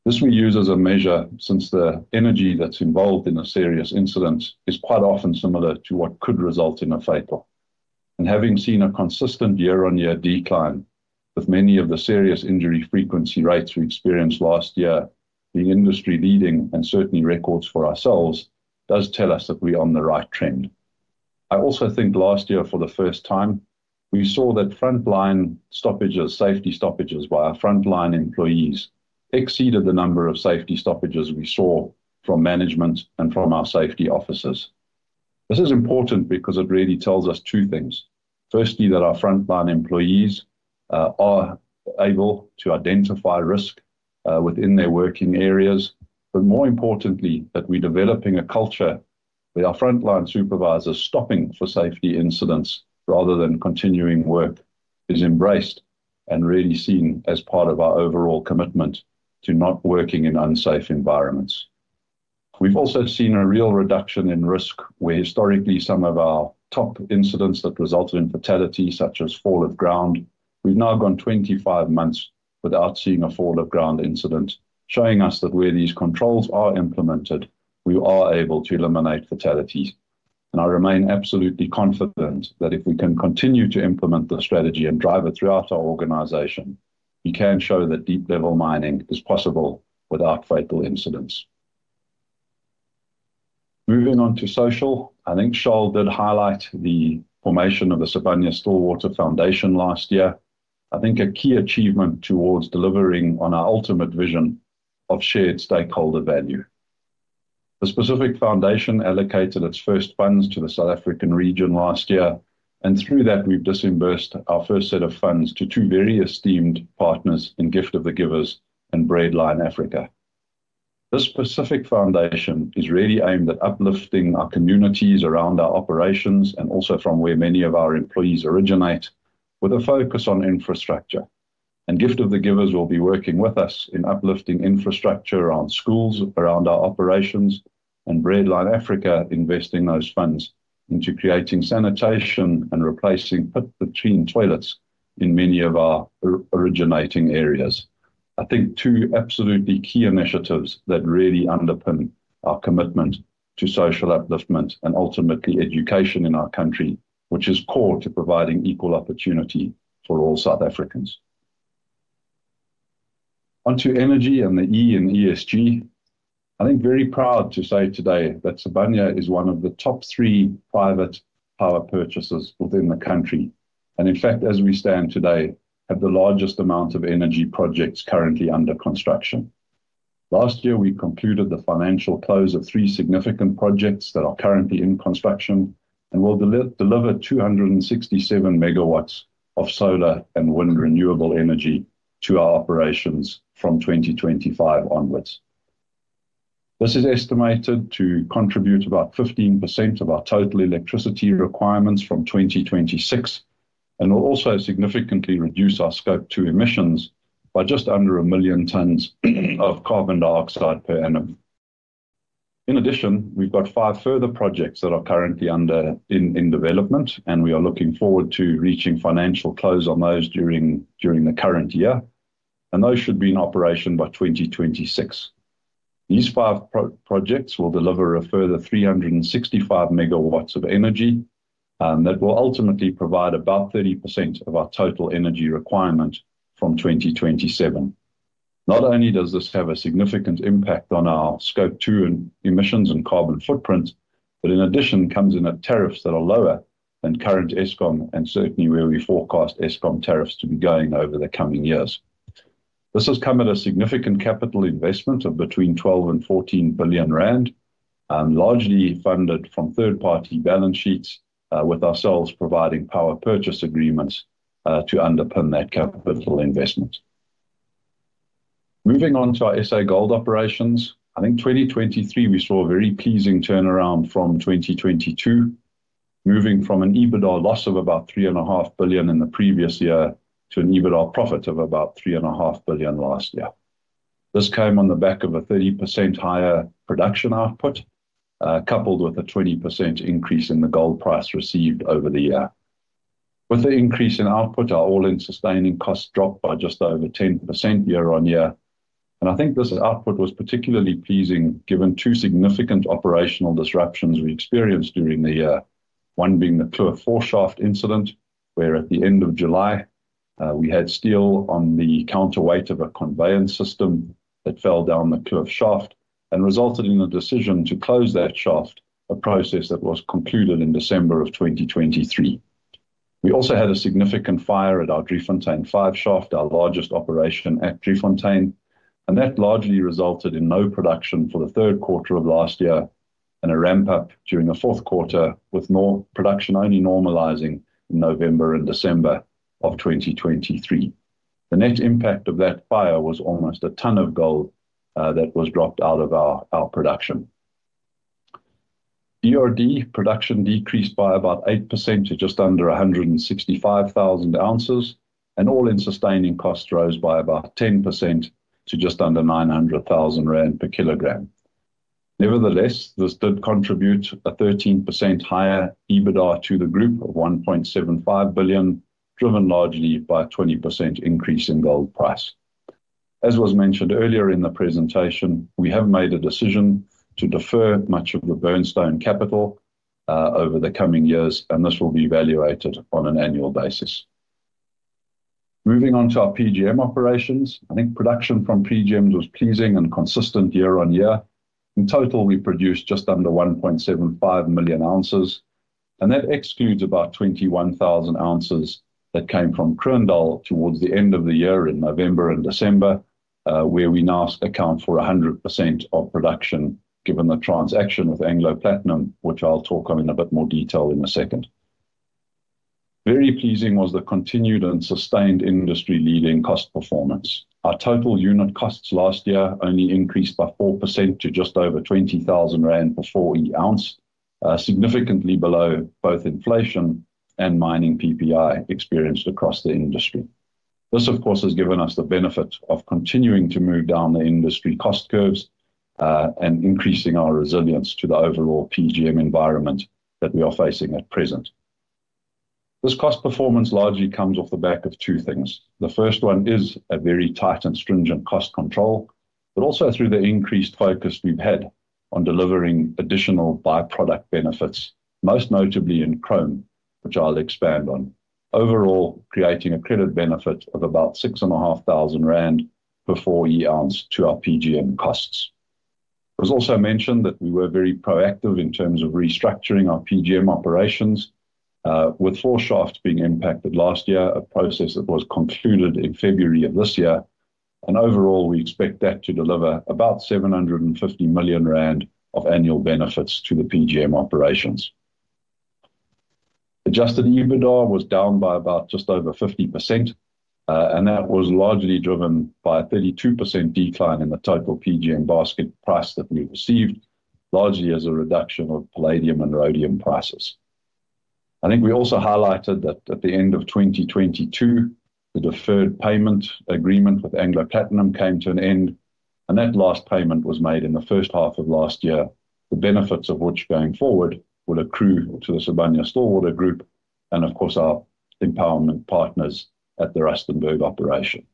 This we use as a measure since the energy that's involved in a serious incident is quite often similar to what could result in a fatal. And having seen a consistent year-on-year decline with many of the serious injury frequency rates we experienced last year being industry-leading and certainly records for ourselves, does tell us that we're on the right trend. I also think last year, for the first time, we saw that frontline stoppages, safety stoppages by our frontline employees, exceeded the number of safety stoppages we saw from management and from our safety officers. This is important because it really tells us two things. Firstly, that our frontline employees are able to identify risk within their working areas, but more importantly, that we're developing a culture where our frontline supervisors stopping for safety incidents rather than continuing work is embraced and really seen as part of our overall commitment to not working in unsafe environments. We've also seen a real reduction in risk where historically some of our top incidents that resulted in fatality, such as fall of ground, we've now gone 25 months without seeing a fall of ground incident, showing us that where these controls are implemented, we are able to eliminate fatalities. I remain absolutely confident that if we can continue to implement the strategy and drive it throughout our organization, we can show that deep-level mining is possible without fatal incidents. Moving on to social, I think Charles did highlight the formation of the Sibanye-Stillwater Foundation last year, I think a key achievement towards delivering on our ultimate vision of shared stakeholder value. The specific foundation allocated its first funds to the South African region last year, and through that, we've disbursed our first set of funds to two very esteemed partners in Gift of the Givers and Breadline Africa. This specific foundation is really aimed at uplifting our communities around our operations and also from where many of our employees originate, with a focus on infrastructure. Gift of the Givers will be working with us in uplifting infrastructure around schools, around our operations, and Breadline Africa investing those funds into creating sanitation and replacing pit between toilets in many of our originating areas. I think two absolutely key initiatives that really underpin our commitment to social upliftment and ultimately education in our country, which is core to providing equal opportunity for all South Africans. Onto energy and the E and ESG, I think very proud to say today that Sibanye is one of the top three private power purchasers within the country. And in fact, as we stand today, have the largest amount of energy projects currently under construction. Last year, we concluded the financial close of three significant projects that are currently in construction and will deliver 267 megawatts of solar and wind renewable energy to our operations from 2025 onwards. This is estimated to contribute about 15% of our total electricity requirements from 2026 and will also significantly reduce our scope 2 emissions by just under 1 million tons of carbon dioxide per annum. In addition, we've got 5 further projects that are currently under development, and we are looking forward to reaching financial close on those during the current year. Those should be in operation by 2026. These 5 projects will deliver a further 365 MW of energy and that will ultimately provide about 30% of our total energy requirement from 2027. Not only does this have a significant impact on our scope 2 emissions and carbon footprint, but in addition comes in at tariffs that are lower than current Eskom and certainly where we forecast Eskom tariffs to be going over the coming years. This has come at a significant capital investment of between 12 billion and 14 billion rand, and largely funded from third-party balance sheets with ourselves providing power purchase agreements to underpin that capital investment. Moving on to our SA Gold operations, I think 2023 we saw a very pleasing turnaround from 2022, moving from an EBITDA loss of about 3.5 billion in the previous year to an EBITDA profit of about 3.5 billion last year. This came on the back of a 30% higher production output, coupled with a 20% increase in the gold price received over the year. With the increase in output, our all-in sustaining costs dropped by just over 10% year-on-year. I think this output was particularly pleasing given two significant operational disruptions we experienced during the year, one being the Kloof IV shaft incident where at the end of July, we had steel on the counterweight of a conveyance system that fell down the Kloof shaft and resulted in a decision to close that shaft, a process that was concluded in December of 2023. We also had a significant fire at our Driefontein V shaft, our largest operation at Driefontein, and that largely resulted in no production for the third quarter of last year and a ramp-up during the fourth quarter with more production only normalizing in November and December of 2023. The net impact of that fire was almost a tonne of gold that was dropped out of our production. DRD production decreased by about 8% to just under 165,000 ounces, and all-in sustaining costs rose by about 10% to just under 900,000 rand per kilogram. Nevertheless, this did contribute a 13% higher EBITDA to the group of 1.75 billion, driven largely by a 20% increase in gold price. As was mentioned earlier in the presentation, we have made a decision to defer much of the Burnstone capital over the coming years, and this will be evaluated on an annual basis. Moving on to our PGM operations, I think production from PGMs was pleasing and consistent year-on-year. In total, we produced just under 1.75 million ounces, and that excludes about 21,000 ounces that came from Kroondal towards the end of the year in November and December, where we now account for 100% of production given the transaction with Anglo Platinum, which I'll talk on in a bit more detail in a second. Very pleasing was the continued and sustained industry-leading cost performance. Our total unit costs last year only increased by 4% to just over 20,000 rand per 4E ounce, significantly below both inflation and mining PPI experienced across the industry. This, of course, has given us the benefit of continuing to move down the industry cost curves and increasing our resilience to the overall PGM environment that we are facing at present. This cost performance largely comes off the back of two things. The first one is a very tight and stringent cost control, but also through the increased focus we've had on delivering additional byproduct benefits, most notably in chrome, which I'll expand on, overall creating a credit benefit of about 6,500 per 4E ounce to our PGM costs. It was also mentioned that we were very proactive in terms of restructuring our PGM operations, with four shafts being impacted last year, a process that was concluded in February of this year. Overall, we expect that to deliver about 750 million rand of annual benefits to the PGM operations. Adjusted EBITDA was down by about just over 50%, and that was largely driven by a 32% decline in the total PGM basket price that we received, largely as a reduction of palladium and rhodium prices. I think we also highlighted that at the end of 2022, the deferred payment agreement with Anglo Platinum came to an end, and that last payment was made in the first half of last year, the benefits of which going forward will accrue to the Sibanye-Stillwater Group and, of course, our empowerment partners at the Rustenburg operation.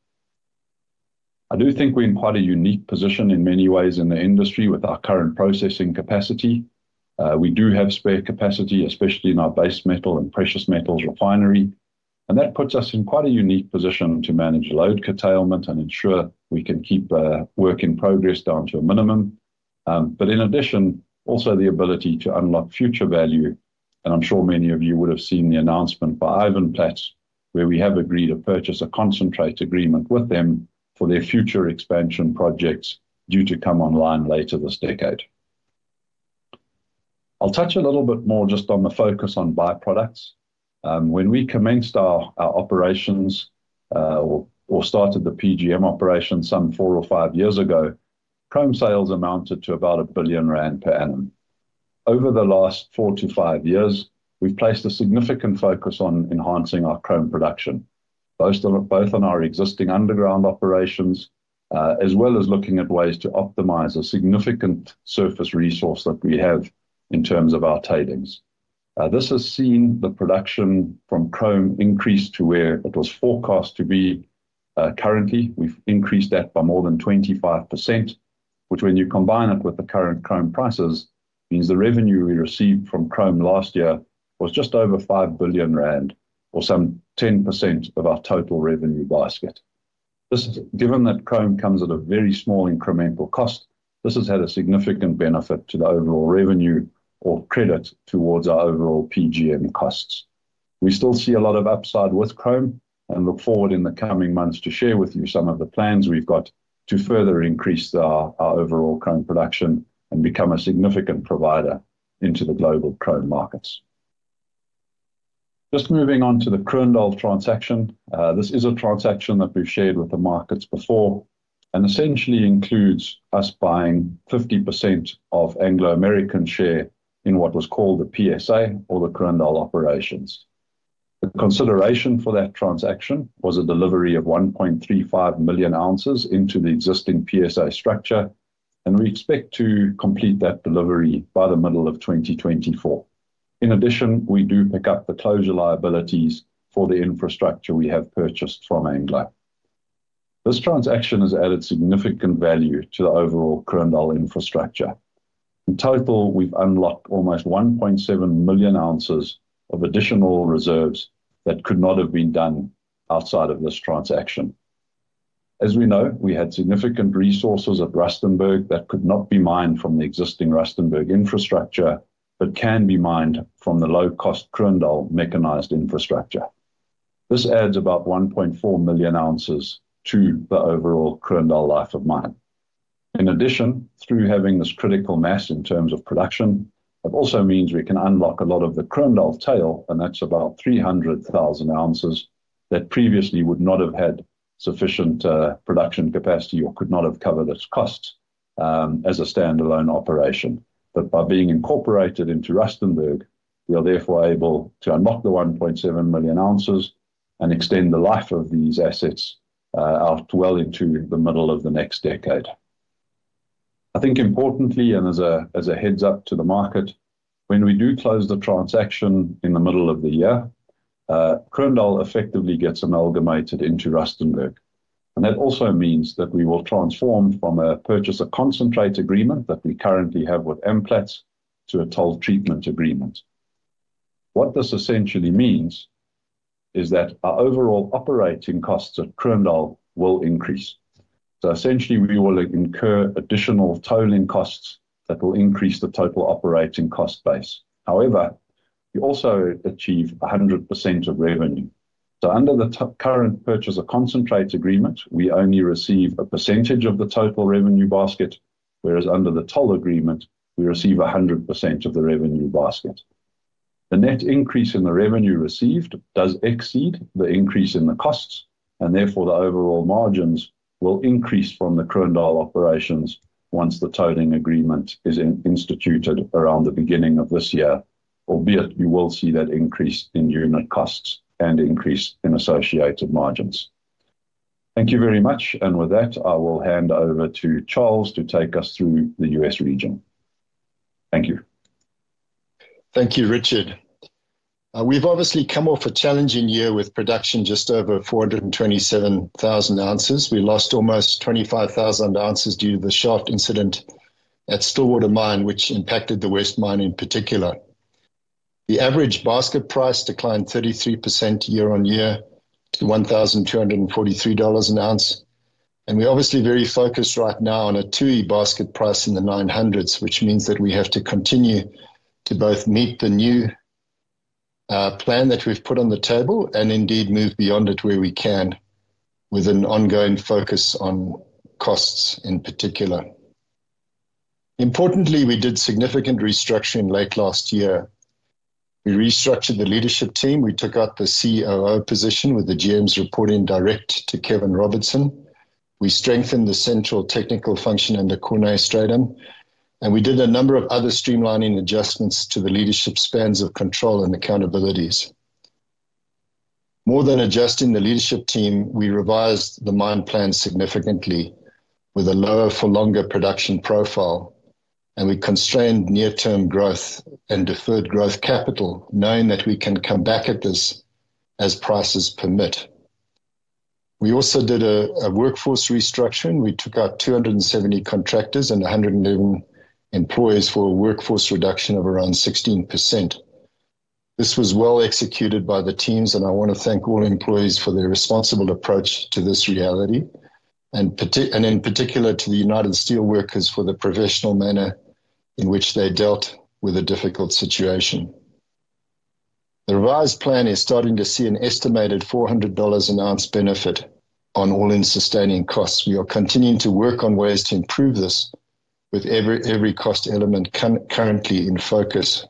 I do think we're in quite a unique position in many ways in the industry with our current processing capacity. We do have spare capacity, especially in our base metal and precious metals refinery. And that puts us in quite a unique position to manage load curtailment and ensure we can keep work in progress down to a minimum. But in addition, also the ability to unlock future value. I'm sure many of you would have seen the announcement by Ivanplats where we have agreed to purchase a concentrate agreement with them for their future expansion projects due to come online later this decade. I'll touch a little bit more just on the focus on byproducts. When we commenced our operations or started the PGM operations some 4 or 5 years ago, chrome sales amounted to about 1 billion rand per annum. Over the last 4-5 years, we've placed a significant focus on enhancing our chrome production, both on our existing underground operations as well as looking at ways to optimize a significant surface resource that we have in terms of our tailings. This has seen the production from chrome increase to where it was forecast to be currently. We've increased that by more than 25%, which, when you combine it with the current chrome prices, means the revenue we received from chrome last year was just over 5 billion rand or some 10% of our total revenue basket. This is, given that chrome comes at a very small incremental cost, this has had a significant benefit to the overall revenue or credit towards our overall PGM costs. We still see a lot of upside with chrome and look forward in the coming months to share with you some of the plans we've got to further increase our overall chrome production and become a significant provider into the global chrome markets. Just moving on to the Kroondal transaction, this is a transaction that we've shared with the markets before and essentially includes us buying 50% of Anglo American share in what was called the PSA or the Kroondal operations. The consideration for that transaction was a delivery of 1.35 million ounces into the existing PSA structure, and we expect to complete that delivery by the middle of 2024. In addition, we do pick up the closure liabilities for the infrastructure we have purchased from Anglo. This transaction has added significant value to the overall Kroondal infrastructure. In total, we've unlocked almost 1.7 million ounces of additional reserves that could not have been done outside of this transaction. As we know, we had significant resources at Rustenburg that could not be mined from the existing Rustenburg infrastructure but can be mined from the low-cost Kroondal mechanized infrastructure. This adds about 1.4 million ounces to the overall Kroondal life of mine. In addition, through having this critical mass in terms of production, it also means we can unlock a lot of the Kroondal tail, and that's about 300,000 ounces that previously would not have had sufficient production capacity or could not have covered its costs as a standalone operation. But by being incorporated into Rustenburg, we are therefore able to unlock the 1.7 million ounces and extend the life of these assets out well into the middle of the next decade. I think importantly, and as a as a heads up to the market, when we do close the transaction in the middle of the year, Kroondal effectively gets amalgamated into Rustenburg. And that also means that we will transform from a purchase of concentrate agreement that we currently have with Amplats to a toll treatment agreement. What this essentially means is that our overall operating costs at Kroondal will increase. So essentially, we will incur additional tolling costs that will increase the total operating cost base. However, we also achieve 100% of revenue. So under the current purchase of concentrate agreement, we only receive a percentage of the total revenue basket, whereas under the toll agreement, we receive 100% of the revenue basket. The net increase in the revenue received does exceed the increase in the costs, and therefore the overall margins will increase from the Kroondal operations once the tolling agreement is instituted around the beginning of this year, albeit you will see that increase in unit costs and increase in associated margins. Thank you very much. And with that, I will hand over to Charles to take us through the U.S. region. Thank you. Thank you, Richard. We've obviously come off a challenging year with production just over 427,000 ounces. We lost almost 25,000 ounces due to the shaft incident at Stillwater Mine, which impacted the West Mine in particular. The average basket price declined 33% year-on-year to $1,243 an ounce. And we're obviously very focused right now on a 2E basket price in the 900s, which means that we have to continue to both meet the new plan that we've put on the table and indeed move beyond it where we can with an ongoing focus on costs in particular. Importantly, we did significant restructure in late last year. We restructured the leadership team. We took out the COO position with the GMs reporting direct to Kevin Robertson. We strengthened the central technical function under Cornay Stradam, and we did a number of other streamlining adjustments to the leadership spans of control and accountabilities. More than adjusting the leadership team, we revised the mine plan significantly with a lower for longer production profile, and we constrained near-term growth and deferred growth capital knowing that we can come back at this as prices permit. We also did a workforce restructure. We took out 270 contractors and 111 employees for a workforce reduction of around 16%. This was well executed by the teams, and I want to thank all employees for their responsible approach to this reality and in particular to the United Steelworkers for the professional manner in which they dealt with a difficult situation. The revised plan is starting to see an estimated $400 an ounce benefit on all-in sustaining costs. We are continuing to work on ways to improve this with every cost element currently in focus.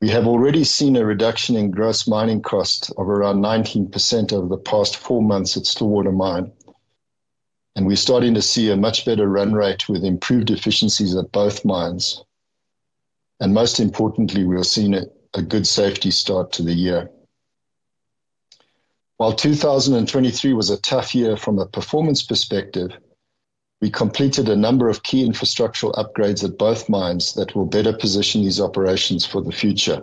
We have already seen a reduction in gross mining costs of around 19% over the past four months at Stillwater Mine, and we're starting to see a much better run rate with improved efficiencies at both mines. And most importantly, we've seen a good safety start to the year. While 2023 was a tough year from a performance perspective, we completed a number of key infrastructural upgrades at both mines that will better position these operations for the future.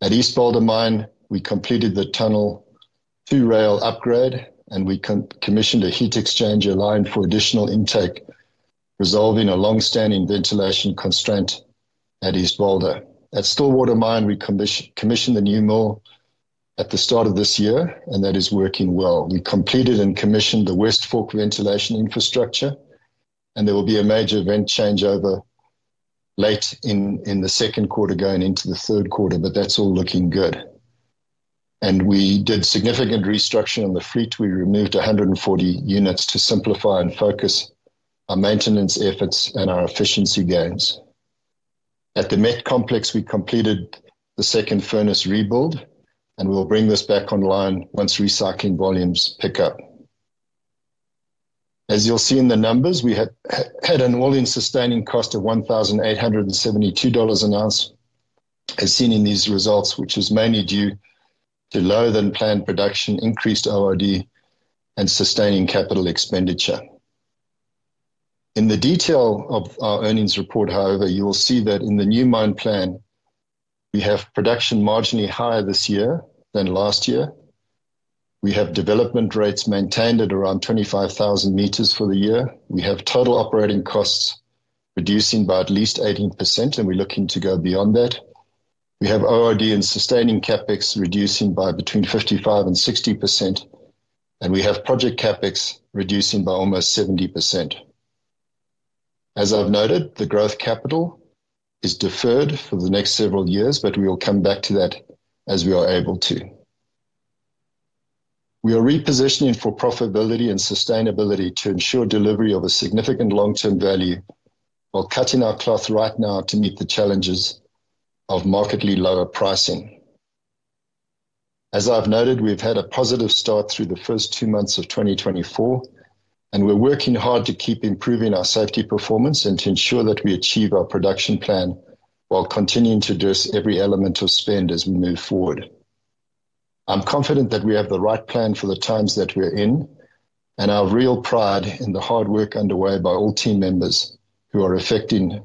At East Boulder Mine, we completed the tunnel two-rail upgrade, and we commissioned a heat exchanger line for additional intake, resolving a longstanding ventilation constraint at East Boulder. At Stillwater Mine, we commissioned the new mill at the start of this year, and that is working well. We completed and commissioned the West Fork ventilation infrastructure, and there will be a major vent changeover late in the second quarter going into the third quarter, but that's all looking good. We did significant restructure on the fleet. We removed 140 units to simplify and focus our maintenance efforts and our efficiency gains. At the Met complex, we completed the second furnace rebuild, and we'll bring this back online once recycling volumes pick up. As you'll see in the numbers, we had had an all-in sustaining cost of $1,872 an ounce, as seen in these results, which is mainly due to lower-than-planned production, increased ORD, and sustaining capital expenditure. In the detail of our earnings report, however, you will see that in the new mine plan, we have production marginally higher this year than last year. We have development rates maintained at around 25,000 meters for the year. We have total operating costs reducing by at least 18%, and we're looking to go beyond that. We have ORD and sustaining CapEx reducing by between 55%-60%, and we have project CapEx reducing by almost 70%. As I've noted, the growth capital is deferred for the next several years, but we will come back to that as we are able to. We are repositioning for profitability and sustainability to ensure delivery of a significant long-term value while cutting our cloth right now to meet the challenges of markedly lower pricing. As I've noted, we've had a positive start through the first two months of 2024, and we're working hard to keep improving our safety performance and to ensure that we achieve our production plan while continuing to address every element of spend as we move forward. I'm confident that we have the right plan for the times that we're in and our real pride in the hard work underway by all team members who are affecting a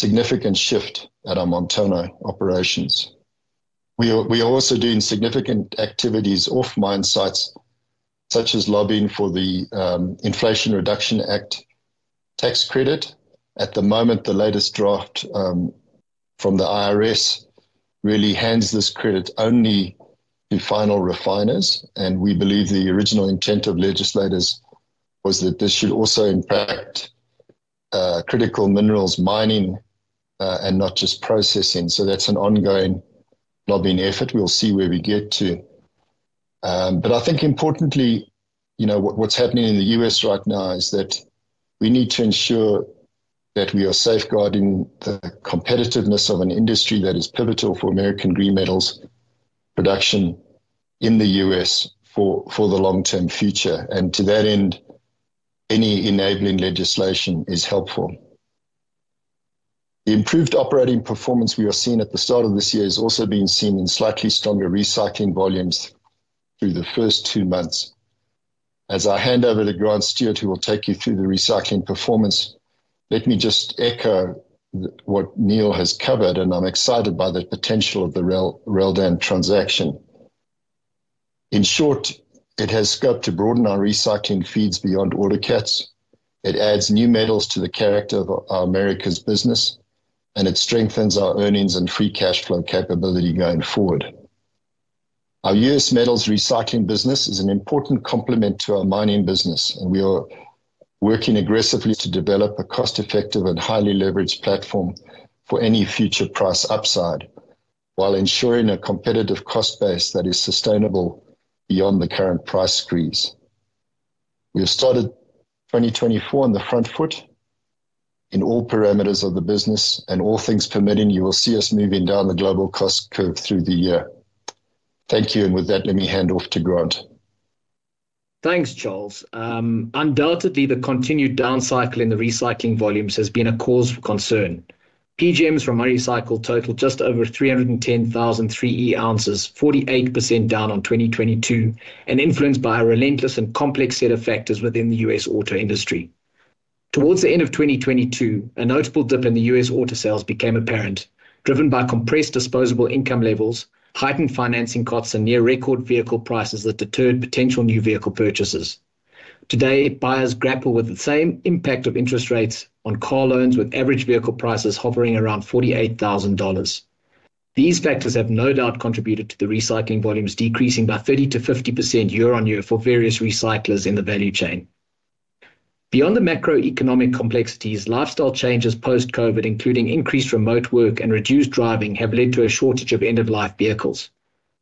significant shift at our Montana operations. We are also doing significant activities off mine sites, such as lobbying for the Inflation Reduction Act tax credit. At the moment, the latest draft from the IRS really hands this credit only to final refiners, and we believe the original intent of legislators was that this should also impact critical minerals mining and not just processing. So that's an ongoing lobbying effort. We'll see where we get to. But I think importantly, you know what's happening in the U.S. right now is that we need to ensure that we are safeguarding the competitiveness of an industry that is pivotal for American green metals production in the U.S. for the long-term future. To that end, any enabling legislation is helpful. The improved operating performance we are seeing at the start of this year is also being seen in slightly stronger recycling volumes through the first two months. As I hand over to Grant Stewart, who will take you through the recycling performance, let me just echo what Neal has covered, and I'm excited by the potential of the Reldan transaction. In short, it has scope to broaden our recycling feeds beyond autocats. It adds new metals to the character of Americas business, and it strengthens our earnings and free cash flow capability going forward. Our US metals recycling business is an important complement to our mining business, and we are working aggressively to develop a cost-effective and highly leveraged platform for any future price upside while ensuring a competitive cost base that is sustainable beyond the current price squeeze. We have started 2024 on the front foot in all parameters of the business, and all things permitting, you will see us moving down the global cost curve through the year. Thank you. And with that, let me hand off to Grant. Thanks, Charles. Undoubtedly, the continued downcycle in the recycling volumes has been a cause for concern. PGMs from unrecycled totaled just over 310,000 3E ounces, 48% down on 2022, and influenced by a relentless and complex set of factors within the U.S. auto industry. Towards the end of 2022, a notable dip in the U.S. auto sales became apparent, driven by compressed disposable income levels, heightened financing costs, and near-record vehicle prices that deterred potential new vehicle purchases. Today, buyers grapple with the same impact of interest rates on car loans, with average vehicle prices hovering around $48,000. These factors have no doubt contributed to the recycling volumes decreasing by 30%-50% year-on-year for various recyclers in the value chain. Beyond the macroeconomic complexities, lifestyle changes post-COVID, including increased remote work and reduced driving, have led to a shortage of end-of-life vehicles.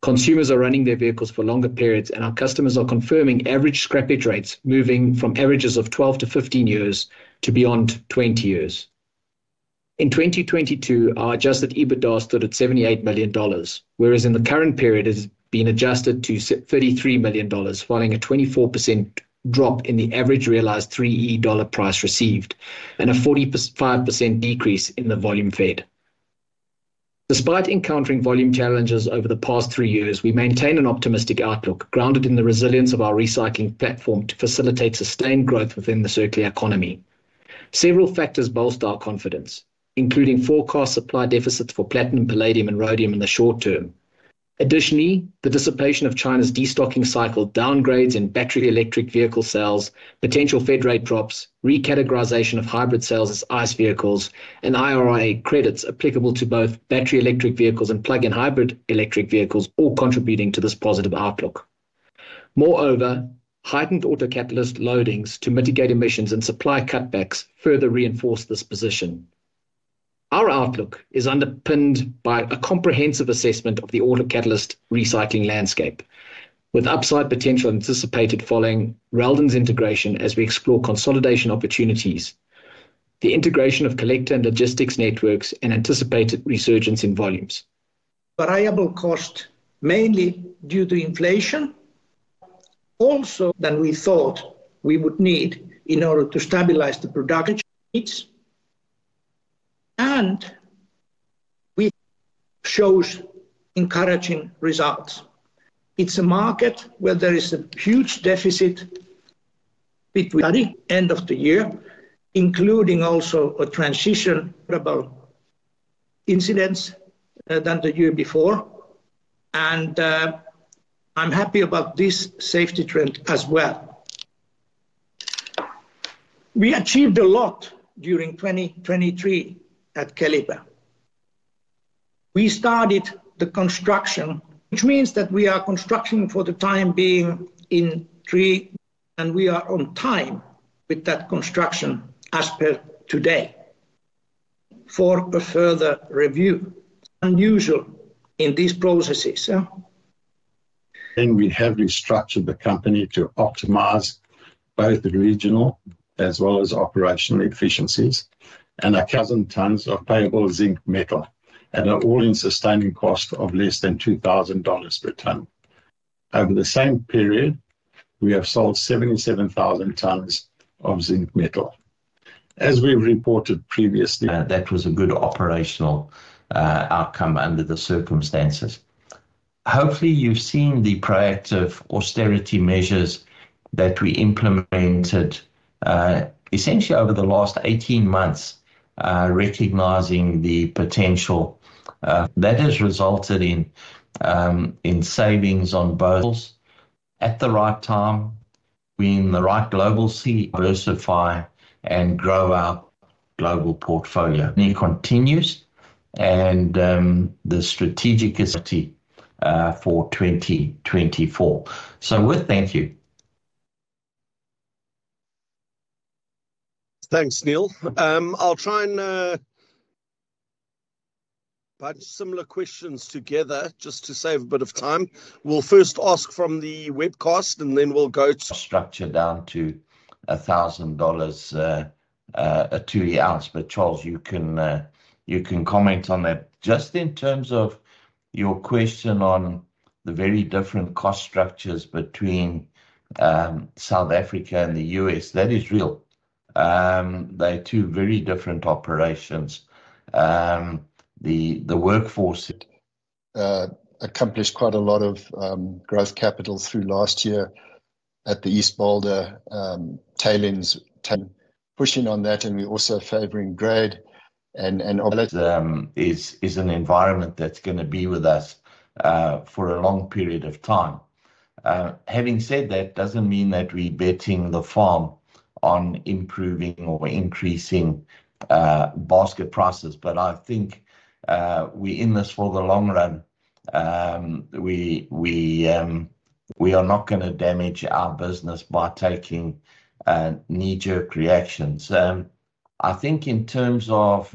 Consumers are running their vehicles for longer periods, and our customers are confirming average scrapage rates moving from averages of 12-15 years to beyond 20 years. In 2022, our Adjusted EBITDA stood at $78 million, whereas in the current period, it has been adjusted to $33 million following a 24% drop in the average realised 3E price received and a 45% decrease in the volume fed. Despite encountering volume challenges over the past three years, we maintain an optimistic outlook grounded in the resilience of our recycling platform to facilitate sustained growth within the circular economy. Several factors bolster our confidence, including forecast supply deficits for platinum, palladium, and rhodium in the short term. Additionally, the dissipation of China's destocking cycle, downgrades in battery electric vehicle sales, potential Fed rate drops, recategorization of hybrid vehicles as ICE vehicles, and IRA credits applicable to both battery electric vehicles and plug-in hybrid electric vehicles all contributing to this positive outlook. Moreover, heightened auto catalyst loadings to mitigate emissions and supply cutbacks further reinforce this position. Our outlook is underpinned by a comprehensive assessment of the auto catalyst recycling landscape, with upside potential anticipated following Reldan's integration as we explore consolidation opportunities, the integration of collector and logistics networks, and anticipated resurgence in volumes. Variable cost, mainly due to inflation, also than we thought we would need in order to stabilize the production needs. And it shows encouraging results. It's a market where there is a huge deficit between. the end of the year, including also a transition. Fewer incidents than the year before. And I'm happy about this safety trend as well. We achieved a lot during 2023 at Keliber. We started the construction, which means that we are constructing for the time being in three. And we are on time with that construction. That's unusual in these processes. And we have restructured the company to optimize both the regional as well as operational efficiencies. 10,000 tons of payable zinc metal, and their all-in sustaining cost of less than $2,000 per tonne. Over the same period, we have sold 77,000 tons of zinc metal. As we've reported previously. That was a good operational outcome under the circumstances. Hopefully, you've seen the proactive austerity measures that we implemented essentially over the last 18 months, recognising the potential that has resulted in in savings on both. At the right time, we're in the right global scene. Diversify and grow our global portfolio. Continues, and the strategic. Priority for 2024. So with thank you. Thanks, Neal. I'll try and punch similar questions together just to save a bit of time. We'll first ask from the webcast, and then we'll go. Structure down to $1,000 a 2E ounce. But Charles, you can you can comment on that. Just in terms of your question on the very different cost structures between South Africa and the U.S., that is real. They're two very different operations. The the workforce. That accomplished quite a lot of growth capital through last year at the East Boulder. Tailings pushing on that, and we're also favoring grade. It is an environment that's going to be with us for a long period of time. Having said that, doesn't mean that we're betting the farm on improving or increasing basket prices. But I think we're in this for the long run. We are not going to damage our business by taking knee-jerk reactions. I think in terms of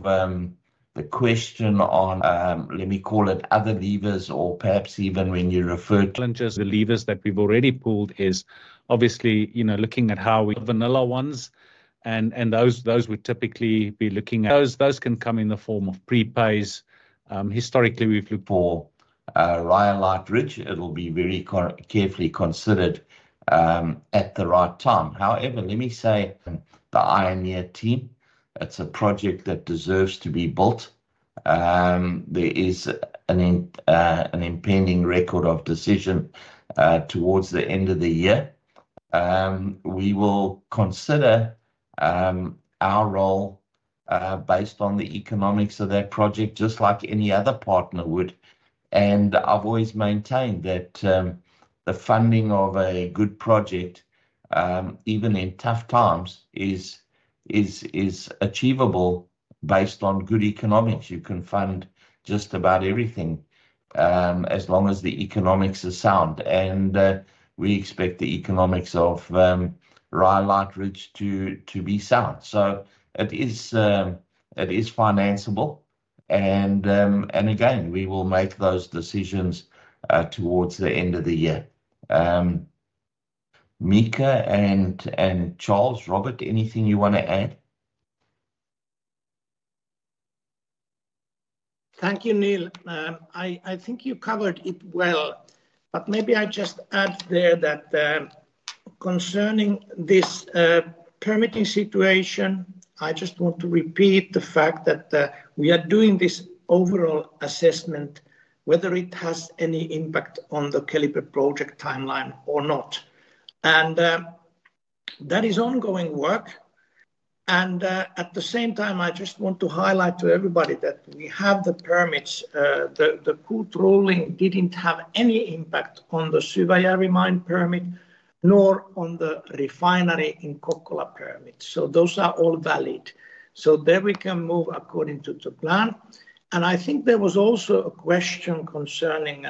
the question on, let me call it other levers, or perhaps even when you refer. The levers that we've already pulled is obviously, you know, looking at how. Vanilla ones. And those would typically be looking. Those can come in the form of pre-pays. Historically, we've looked for iron ore hedges. It'll be very carefully considered at the right time. However, let me say. The EMEA team. It's a project that deserves to be built. There is an impending Record of Decision towards the end of the year. We will consider our role based on the economics of that project, just like any other partner would. I've always maintained that the funding of a good project, even in tough times, is achievable based on good economics. You can fund just about everything as long as the economics are sound. We expect the economics of Rio Grande to be sound. So it is financeable. Again, we will make those decisions towards the end of the year. Mika and Charles, Robert, anything you want to add? Thank you, Neal. I think you covered it well. But maybe I just add there that concerning this permitting situation, I just want to repeat the fact that we are doing this overall assessment, whether it has any impact on the Keliber project timeline or not. And that is ongoing work. And at the same time, I just want to highlight to everybody that we have the permits. The court ruling didn't have any impact on the Syväjärvi mine permit nor on the refinery in Kokkola permit. So those are all valid. So there we can move according to the plan. And I think there was also a question concerning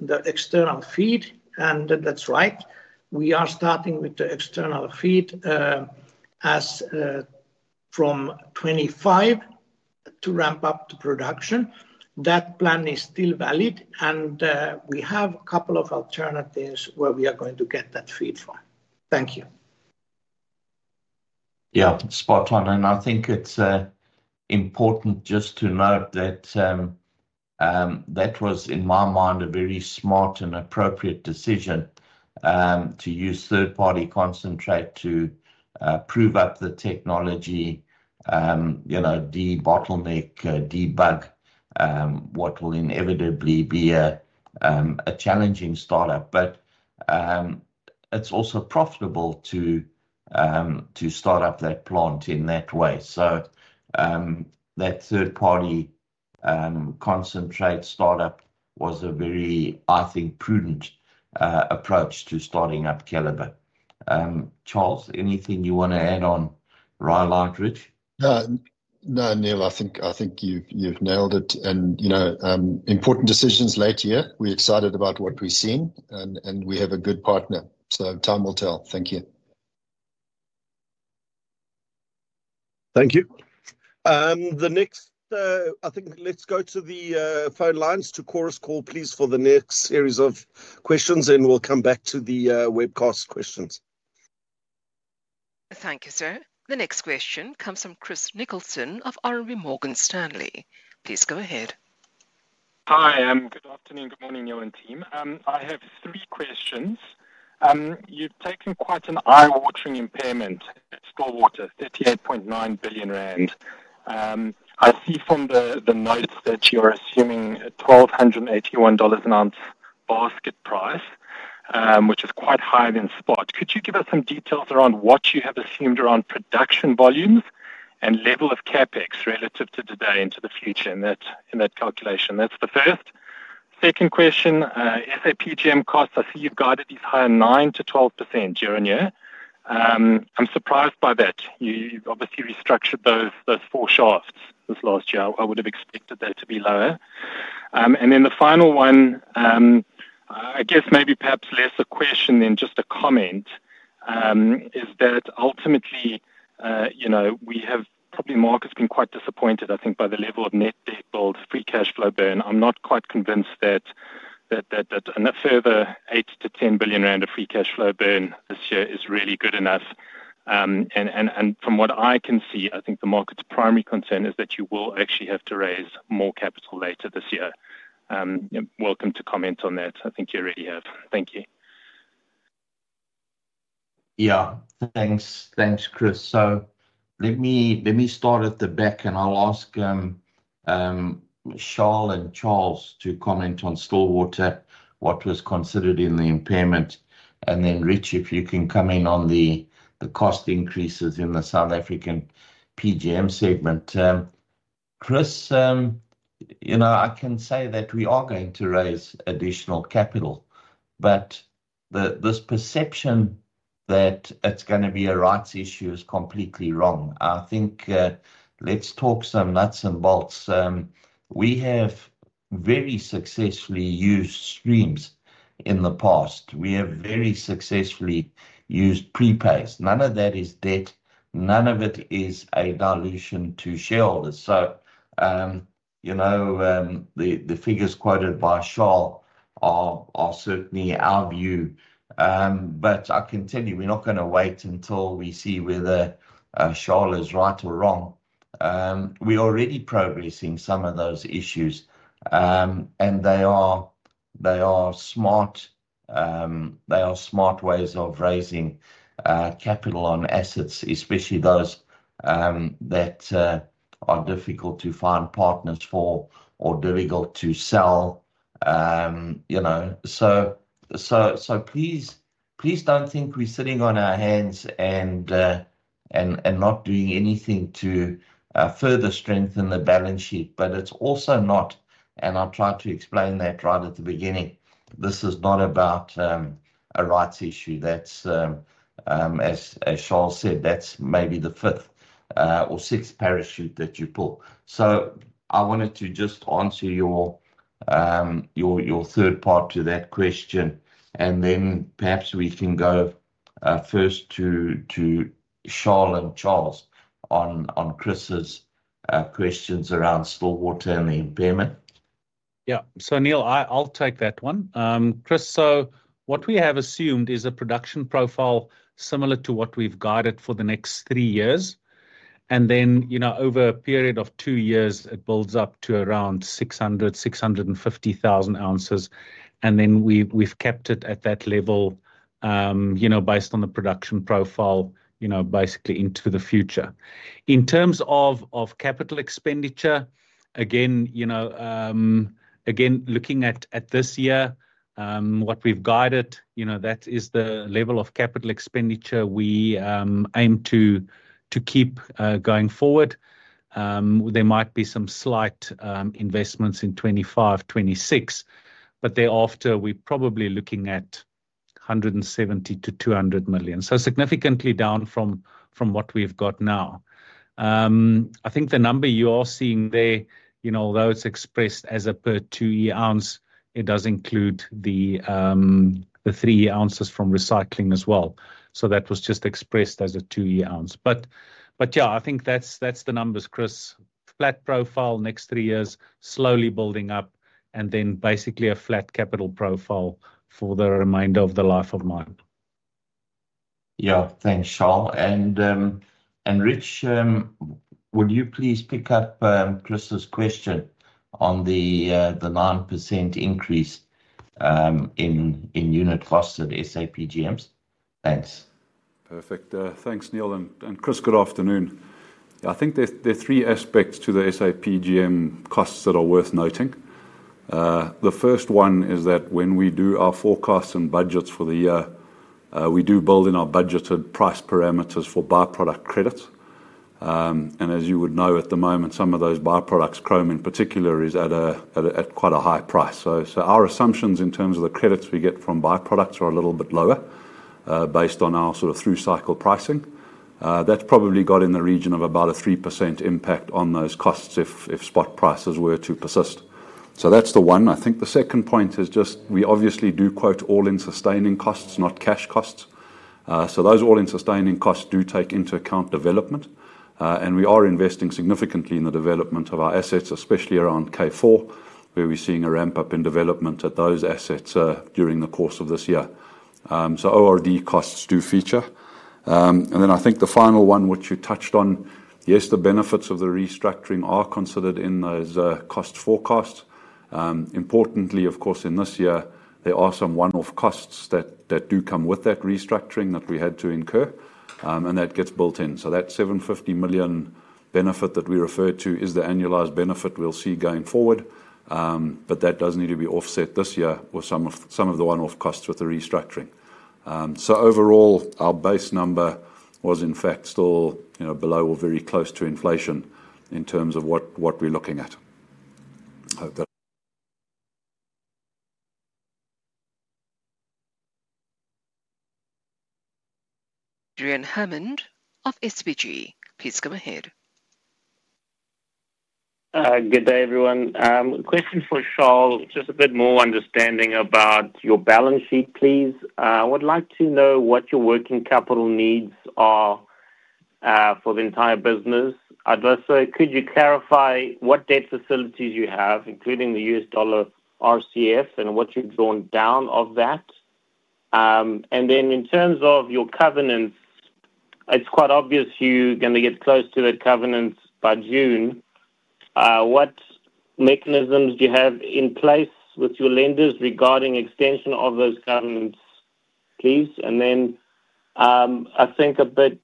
the external feed. And that's right. We are starting with the external feed as from 2025 to ramp up to production. That plan is still valid. And we have a couple of alternatives where we are going to get that feed from. Thank you. Yeah, spot on. I think it's important just to note that that was, in my mind, a very smart and appropriate decision to use third-party concentrate to prove up the technology, you know, debottleneck, debug what will inevitably be a challenging startup. But it's also profitable to start up that plant in that way. So that third-party concentrate startup was a very, I think, prudent approach to starting up Keliber. Charles, anything you want to add on Reldan? No, Neal, I think you've nailed it. You know, important decisions last year. We're excited about what we've seen, and we have a good partner. So time will tell. Thank you. Thank you. Next, I think, let's go to the phone lines. To Chorus Call, please, for the next series of questions, and we'll come back to the webcast questions. Thank you, sir. The next question comes from Chris Nicholson of RMB Morgan Stanley. Please go ahead. Hi, and good afternoon. Good morning, Neal and team. I have three questions. You've taken quite an eye-watering impairment at Sibanye-Stillwater, 38.9 billion rand. I see from the notes that you're assuming a $1,281 an ounce basket price, which is quite higher than spot. Could you give us some details around what you have assumed around production volumes and level of CapEx relative to today and to the future in that calculation? That's the first. Second question, SA PGM costs, I see you've guided these higher 9%-12% year-on-year. I'm surprised by that. You've obviously restructured those four shafts this last year. I would have expected that to be lower. Then the final one, I guess maybe perhaps less a question than just a comment, is that ultimately, you know, we have probably the market's been quite disappointed, I think, by the level of net debt build, free cash flow burn. I'm not quite convinced that another further 8 billion-10 billion rand of free cash flow burn this year is really good enough. And from what I can see, I think the market's primary concern is that you will actually have to raise more capital later this year. Welcome to comment on that. I think you already have. Thank you. Yeah, thanks. Thanks, Chris. So let me start at the back, and I'll ask Charl and Charles to comment on Stillwater, what was considered in the impairment. And then Rich, if you can come in on the cost increases in the South African PGM segment. Chris, you know, I can say that we are going to raise additional capital, but this perception that it's going to be a rights issue is completely wrong. I think let's talk some nuts and bolts. We have very successfully used streams in the past. We have very successfully used pre-pays. None of that is debt. None of it is a dilution to shareholders. So, you know, the figures quoted by Charles are certainly our view. But I can tell you, we're not going to wait until we see whether Charles is right or wrong. We're already progressing some of those issues. And they are smart. They are smart ways of raising capital on assets, especially those that are difficult to find partners for or difficult to sell. You know, so please don't think we're sitting on our hands and not doing anything to further strengthen the balance sheet. But it's also not, and I'll try to explain that right at the beginning, this is not about a rights issue. That's, as Charles said, that's maybe the fifth or sixth parachute that you pull. So I wanted to just answer your third part to that question. And then perhaps we can go first to Charles on Chris's questions around Stillwater and the impairment. Yeah, so Neal, I'll take that one. Chris, so what we have assumed is a production profile similar to what we've guided for the next three years. And then, you know, over a period of 2 years, it builds up to around 600,000-650,000 ounces. And then we've kept it at that level, you know, based on the production profile, you know, basically into the future. In terms of capital expenditure, again, you know, again, looking at this year, what we've guided, you know, that is the level of capital expenditure we aim to keep going forward. There might be some slight investments in 2025, 2026, but thereafter, we're probably looking at R 170 million-R 200 million. So significantly down from what we've got now. I think the number you are seeing there, you know, although it's expressed as a per 2-year ounce, it does include the 3-year ounces from recycling as well. So that was just expressed as a 2-year ounce. But yeah, I think that's the numbers, Chris. Flat profile next three years, slowly building up, and then basically a flat capital profile for the remainder of the life of mine. Yeah, thanks, Charles. And Rich, would you please pick up Chris's question on the 9% increase in unit cost at SA PGMs? Thanks. Perfect. Thanks, Neal. And Chris, good afternoon. Yeah, I think there's three aspects to the SA PGM costs that are worth noting. The first one is that when we do our forecasts and budgets for the year, we do build in our budgeted price parameters for byproduct credits. And as you would know at the moment, some of those byproducts, chrome in particular, is at quite a high price. So our assumptions in terms of the credits we get from byproducts are a little bit lower based on our sort of through-cycle pricing. That's probably got in the region of about a 3% impact on those costs if spot prices were to persist. So that's the one. I think the second point is just we obviously do quote all-in-sustaining costs, not cash costs. So those all-in-sustaining costs do take into account development. And we are investing significantly in the development of our assets, especially around K4, where we're seeing a ramp-up in development at those assets during the course of this year. So ORD costs do feature. And then I think the final one, which you touched on, yes, the benefits of the restructuring are considered in those cost forecasts. Importantly, of course, in this year, there are some one-off costs that do come with that restructuring that we had to incur, and that gets built in. So that $750 million benefit that we referred to is the annualized benefit we'll see going forward. But that does need to be offset this year with some of the one-off costs with the restructuring. So overall, our base number was, in fact, still you know below or very close to inflation in terms of what we're looking at. That, Adrian Hammond of SBG, please come ahead. Good day, everyone. Question for Charles, just a bit more understanding about your balance sheet, please. I would like to know what your working capital needs are for the entire business, so could you clarify what debt facilities you have, including the U.S. dollar RCF, and what you've drawn down of that? And then in terms of your covenants, it's quite obvious you're going to get close to that covenants by June. What mechanisms do you have in place with your lenders regarding extension of those covenants, please? And then I think a bit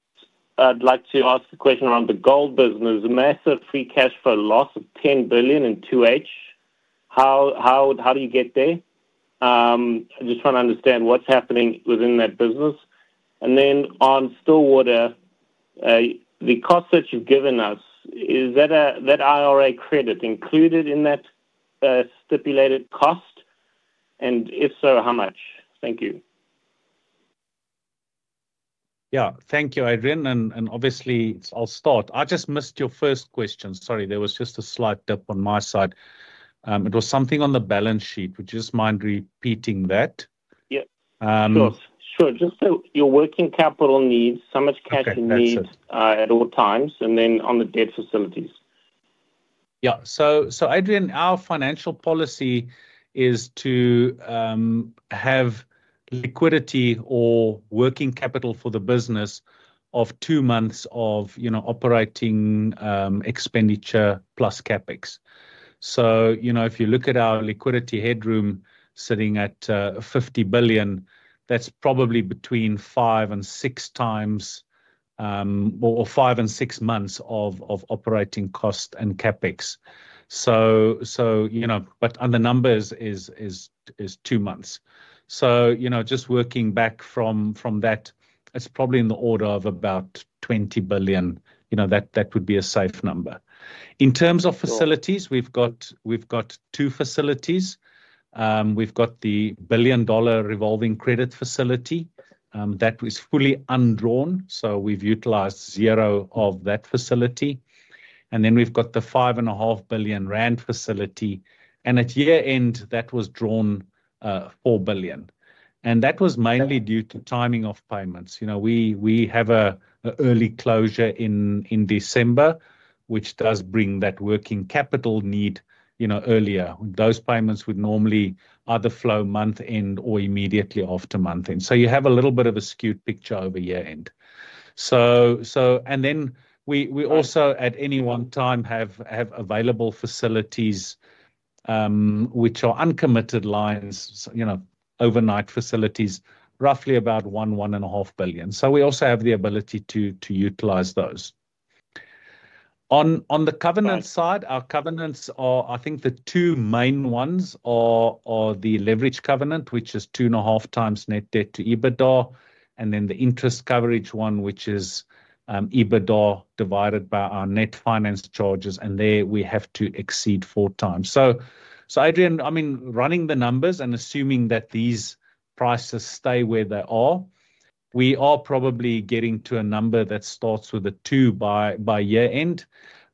I'd like to ask a question around the gold business. A massive free cash flow loss of 10 billion in 2H. How how how do you get there? I just want to understand what's happening within that business. And then on Stillwater, the cost that you've given us, is that a that IRA credit included in that stipulated cost? And if so, how much? Thank you. Yeah, thank you, Adrian. And and obviously, I'll start. I just missed your first question. Sorry, there was just a slight dip on my side. It was something on the balance sheet. Would you just mind repeating that? Yep, of course. Sure. Just so your working capital needs, how much cash you need at all times, and then on the debt facilities. Yeah, so Adrian, our financial policy is to have liquidity or working capital for the business of two months of you know operating expenditure plus CapEx. So you know if you look at our liquidity headroom sitting at 50 billion, that's probably between five and six times or five and six months of operating cost and CapEx. So you know but on the numbers is two months. So you know just working back from that, it's probably in the order of about 20 billion. You know that would be a safe number. In terms of facilities, we've got two facilities. We've got the $1 billion revolving credit facility. That was fully undrawn, so we've utilized zero of that facility. And then we've got the 5.5 billion rand facility. And at year-end, that was drawn 4 billion. That was mainly due to timing of payments. You know, we have an early closure in December, which does bring that working capital need you know earlier. Those payments would normally either flow month-end or immediately after month-end. So and then we also at any one time have available facilities, which are uncommitted lines, you know overnight facilities, roughly about 1 billion-1.5 billion. So we also have the ability to utilize those. On the covenant side, our covenants are, I think the two main ones are the leverage covenant, which is 2.5 times net debt to EBITDA, and then the interest coverage one, which is EBITDA divided by our net finance charges. And there we have to exceed four times. So, Adrian, I mean, running the numbers and assuming that these prices stay where they are, we are probably getting to a number that starts with a 2 by year-end.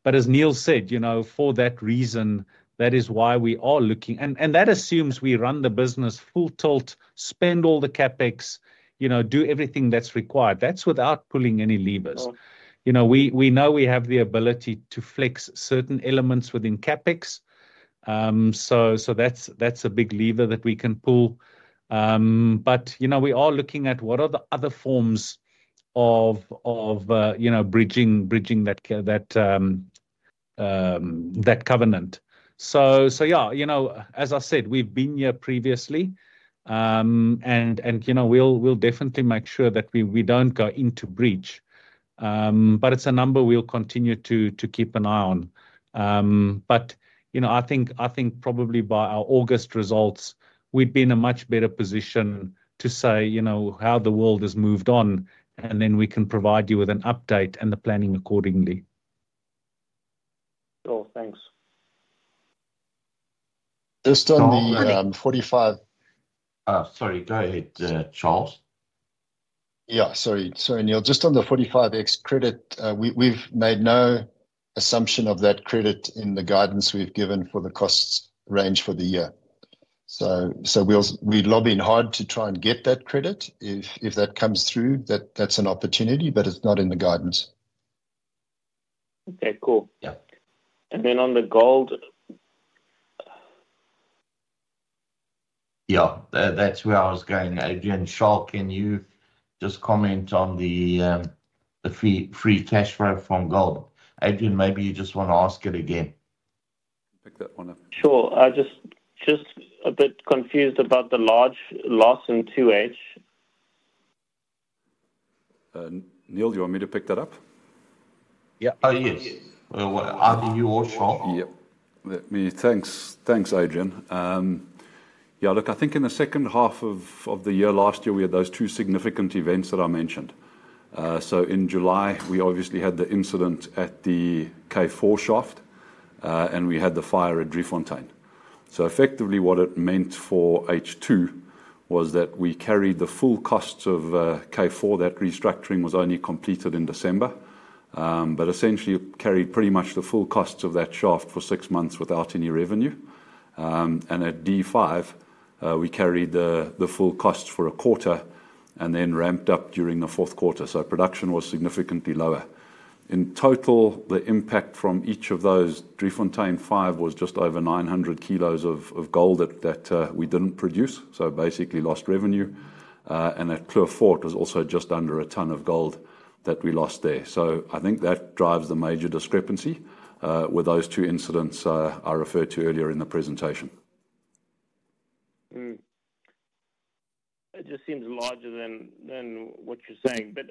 But as Neal said, you know for that reason, that is why we are looking. And that assumes we run the business full tilt, spend all the CapEx, you know do everything that's required. That's without pulling any levers. You know, we know we have the ability to flex certain elements within CapEx. So that's a big lever that we can pull. But you know we are looking at what are the other forms of you know bridging that covenant. So yeah, you know as I said, we've been here previously. And you know we'll definitely make sure that we don't go into breach. But it's a number we'll continue to keep an eye on. But you know I think probably by our August results, we'd be in a much better position to say you know how the world has moved on, and then we can provide you with an update and the planning accordingly. Sure, thanks. Just on the 45X. Oh, sorry, go ahead, Charles. Yeah, sorry, Neal, just on the 45X credit, we've made no assumption of that credit in the guidance we've given for the cost range for the year. So we'll we're lobbying hard to try and get that credit. If that comes through, that's an opportunity, but it's not in the guidance. Okay, cool. Yeah. And then on the gold. Yeah, that's where I was going. Adrian, Charles, can you just comment on the free cash flow from gold? Adrian, maybe you just want to ask it again. Pick that one up. Sure. I'm just a bit confused about the large loss in 2H. Neal, do you want me to pick that up? Yeah. Oh, yes. Are you or Charles? Yep. Let me. Thanks, thanks Adrian. Yeah, look, I think in the second half of the year last year, we had those two significant events that I mentioned. So in July, we obviously had the incident at the K4 shaft, and we had the fire at Driefontein. So effectively, what it meant for H2 was that we carried the full costs of K4. That restructuring was only completed in December, but essentially carried pretty much the full costs of that shaft for six months without any revenue. And at D5, we carried the full costs for a quarter and then ramped up during the fourth quarter. So production was significantly lower. In total, the impact from each of those, Driefontein 5 was just over 900 kilos of gold that we didn't produce, so basically lost revenue. And at Kloof 4, it was also just under a tonne of gold that we lost there. So I think that drives the major discrepancy with those two incidents I referred to earlier in the presentation. It just seems larger than what you're saying. But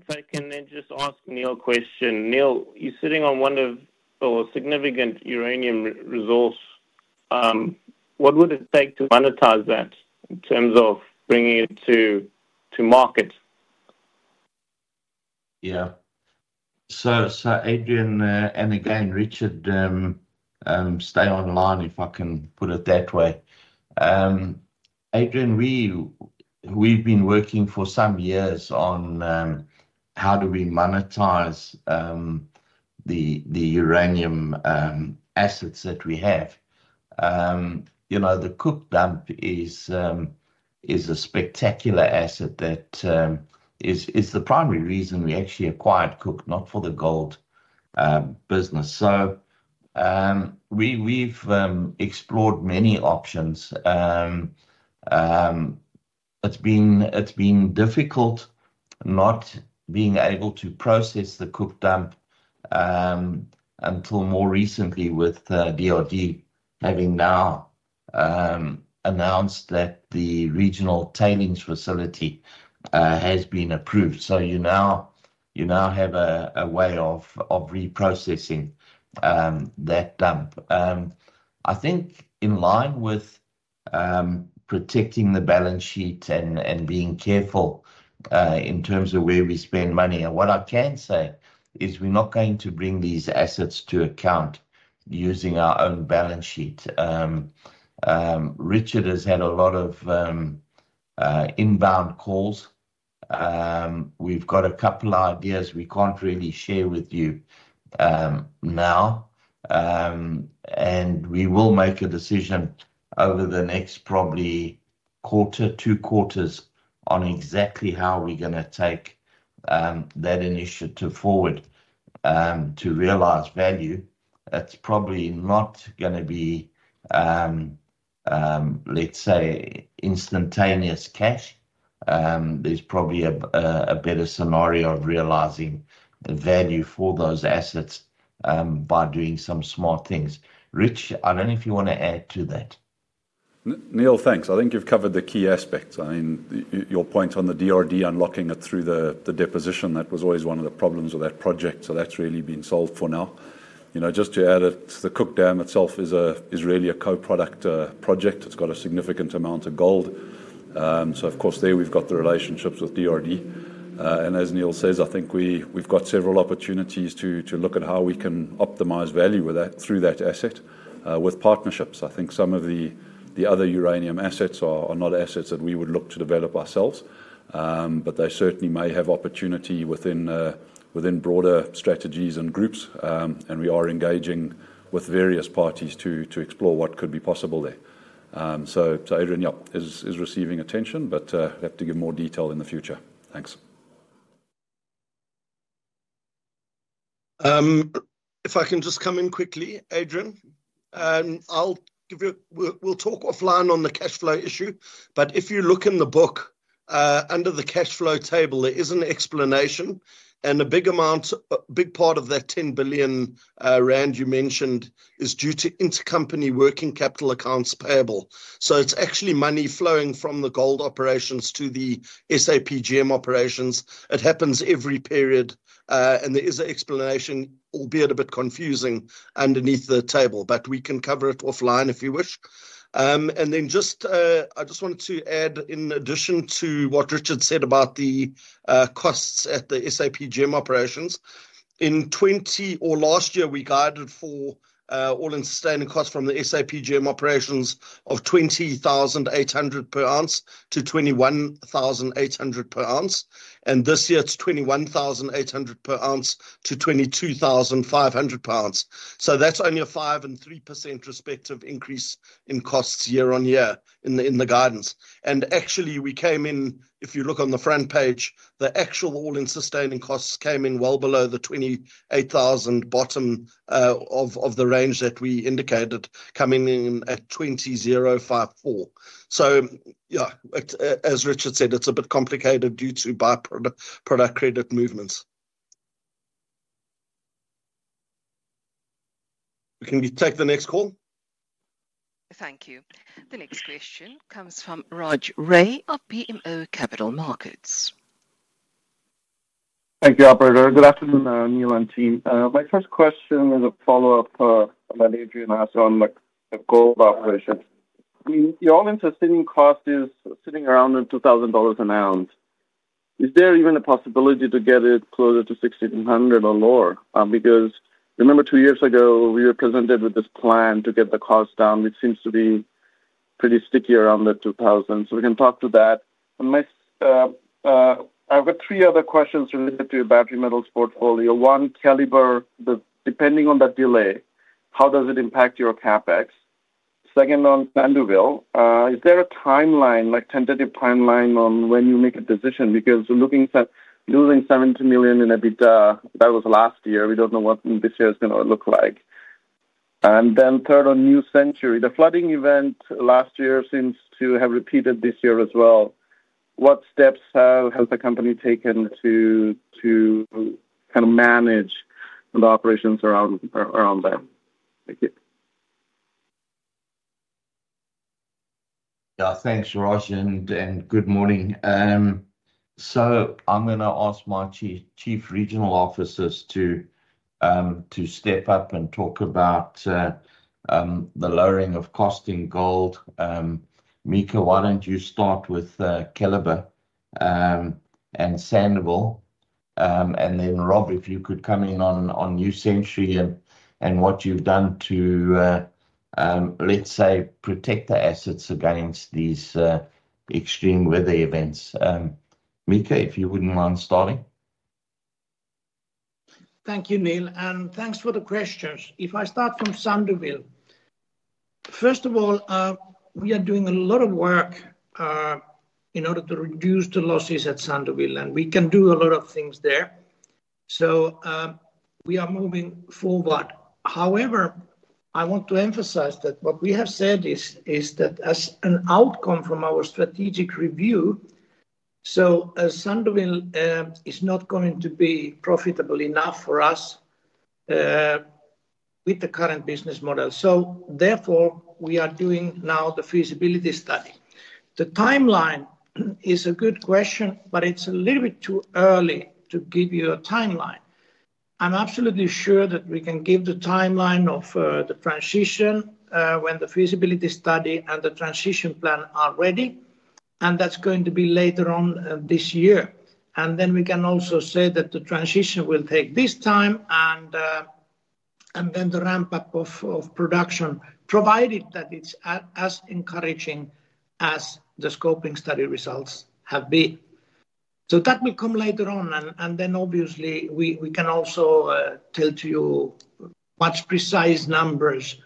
if I can then just ask Neal a question. Neal, you're sitting on one of the significant uranium resources. What would it take to monetize that in terms of bringing it to market? Yeah. So Adrian, and again, Richard, stay online if I can put it that way. Adrian, we've been working for some years on how do we monetize the uranium assets that we have. You know, the Cooke dump is a spectacular asset that is the primary reason we actually acquired Cooke, not for the gold business. So we've explored many options. It's been difficult not being able to process the Cooke dump until more recently with DRD having now announced that the regional tailings facility has been approved. So you now have a way of reprocessing that dump. I think in line with protecting the balance sheet and being careful in terms of where we spend money, and what I can say is we're not going to bring these assets to account using our own balance sheet. Richard has had a lot of inbound calls. We've got a couple of ideas we can't really share with you now. We will make a decision over the next probably quarter, two quarters on exactly how we're going to take that initiative forward to realize value. It's probably not going to be, let's say, instantaneous cash. There's probably a better scenario of realizing the value for those assets by doing some smart things. Rich, I don't know if you want to add to that. Neal, thanks. I think you've covered the key aspects. I mean, your point on the DRD unlocking it through the deposition, that was always one of the problems with that project. So that's really been solved for now. You know, just to add it, the Cooke Dam itself is really a co-product project. It's got a significant amount of gold. So of course, there we've got the relationships with DRD. And as Neal says, I think we've got several opportunities to look at how we can optimize value with that through that asset with partnerships. I think some of the other uranium assets are not assets that we would look to develop ourselves, but they certainly may have opportunity within broader strategies and groups. And we are engaging with various parties to explore what could be possible there. So Adrian, yep, is receiving attention, but have to give more detail in the future. Thanks. If I can just come in quickly, Adrian, I'll give you a we'll talk offline on the cash flow issue, but if you look in the book, under the cash flow table, there is an explanation and a big amount, a big part of that 10 billion rand you mentioned is due to intercompany working capital accounts payable. So it's actually money flowing from the gold operations to the SA PGM operations. It happens every period, and there is an explanation, albeit a bit confusing, underneath the table, but we can cover it offline if you wish. And then I just wanted to add, in addition to what Richard said about the costs at the SA PGM operations, in 2020 or last year, we guided for all-in sustaining costs from the SA PGM operations of $20,800-$21,800 per ounce. And this year, it's $21,800-$22,500 per ounce. So that's only a 5% and 3% respective increase in costs year-on-year in the guidance. And actually, we came in, if you look on the front page, the actual all-in sustaining costs came in well below the $28,000 bottom of the range that we indicated, coming in at $20,054. So yeah, as Richard said, it's a bit complicated due to by-product credit movements. Can we take the next call? Thank you. The next question comes from Raj Ray of BMO Capital Markets. Thank you, operator. Good afternoon, Neal and team. My first question is a follow-up on that Adrian asked on the gold operations. I mean, your all-in sustaining cost is sitting around at $2,000 an ounce. Is there even a possibility to get it closer to 1,600 or lower? Because remember, two years ago, we were presented with this plan to get the cost down. It seems to be pretty sticky around the 2,000. So we can talk to that. And my I've got three other questions related to your battery metals portfolio. One, Keliber, the depending on that delay, how does it impact your CapEx? Second, on Sandouville, is there a timeline, like tentative timeline on when you make a decision? Because we're looking at losing 70 million in EBITDA. That was last year. We don't know what this year is going to look like. And then third, on New Century, the flooding event last year seems to have repeated this year as well. What steps has the company taken to manage the operations around that? Thank you. Yeah, thanks, Raj, and good morning. So I'm going to ask my chief regional officers to step up and talk about the lowering of cost in gold. Mika, why don't you start with Keliber and Sandouville? And then Rob, if you could come in on New Century and what you've done to, let's say, protect the assets against these extreme weather events. Mika, if you wouldn't mind starting. Thank you, Neal, and thanks for the questions. If I start from Sandouville, first of all, we are doing a lot of work in order to reduce the losses at Sandouville, and we can do a lot of things there. So we are moving forward. However, I want to emphasize that what we have said is that as an outcome from our strategic review, so as Sandouville is not going to be profitable enough for us with the current business model. So therefore, we are doing now the feasibility study. The timeline is a good question, but it's a little bit too early to give you a timeline. I'm absolutely sure that we can give the timeline of the transition when the feasibility study and the transition plan are ready. And that's going to be later on this year. Then we can also say that the transition will take this time and then the ramp-up of production, provided that it's as encouraging as the scoping study results have been. So that will come later on. Then obviously, we can also tell to you much precise numbers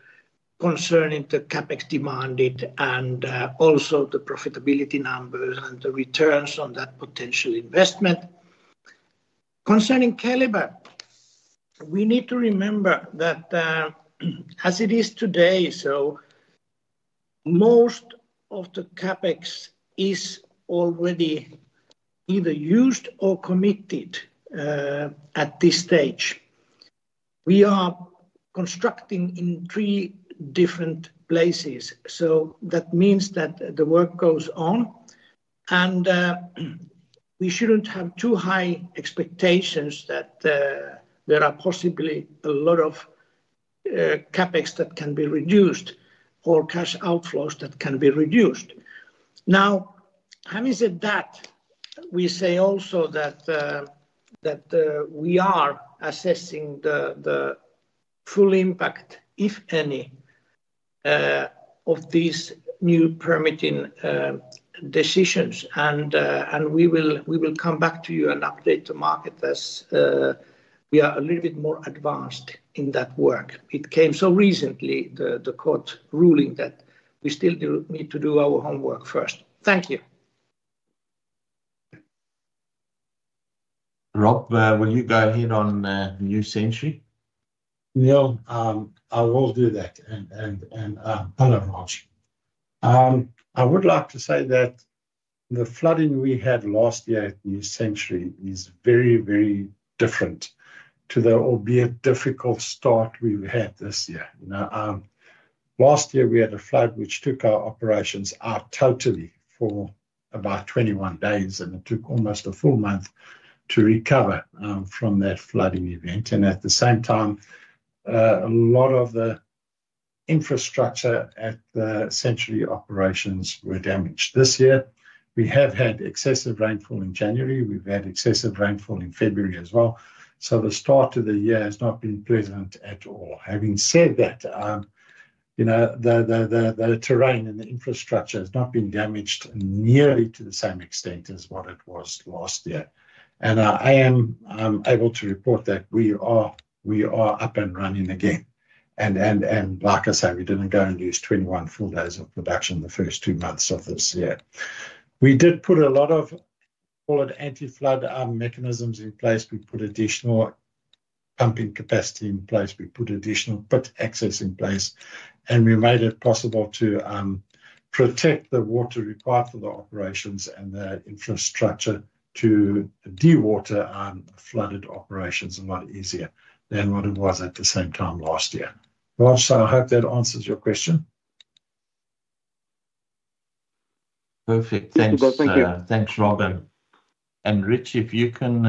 concerning the CapEx demanded and also the profitability numbers and the returns on that potential investment. Concerning Keliber, we need to remember that as it is today, so most of the CapEx is already either used or committed at this stage. We are constructing in three different places. So that means that the work goes on. We shouldn't have too high expectations that there are possibly a lot of CapEx that can be reduced or cash outflows that can be reduced. Now, having said that, we say also that we are assessing the full impact, if any, of these new permitting decisions. And we will come back to you and update the market as we are a little bit more advanced in that work. It came so recently, the court ruling, that we still need to do our homework first. Thank you. Rob, will you go ahead on New Century? No, I will do that. And hello, Raj. I would like to say that the flooding we had last year at New Century is very, very different to the, albeit difficult, start we've had this year. You know, last year, we had a flood which took our operations out totally for about 21 days, and it took almost a full month to recover from that flooding event. At the same time, a lot of the infrastructure at the Century operations were damaged. This year, we have had excessive rainfall in January. We've had excessive rainfall in February as well. So the start of the year has not been pleasant at all. Having said that, you know, the terrain and the infrastructure has not been damaged nearly to the same extent as what it was last year. And I am able to report that we are up and running again. And like I say, we didn't go and use 21 full days of production the first two months of this year. We did put a lot of, call it, anti-flood mechanisms in place. We put additional pumping capacity in place. We put additional pit access in place. We made it possible to protect the water required for the operations and the infrastructure to dewater flooded operations a lot easier than what it was at the same time last year. Raj, so I hope that answers your question. Perfect. Thanks. Thank you. Thanks, Robert. Richard, if you can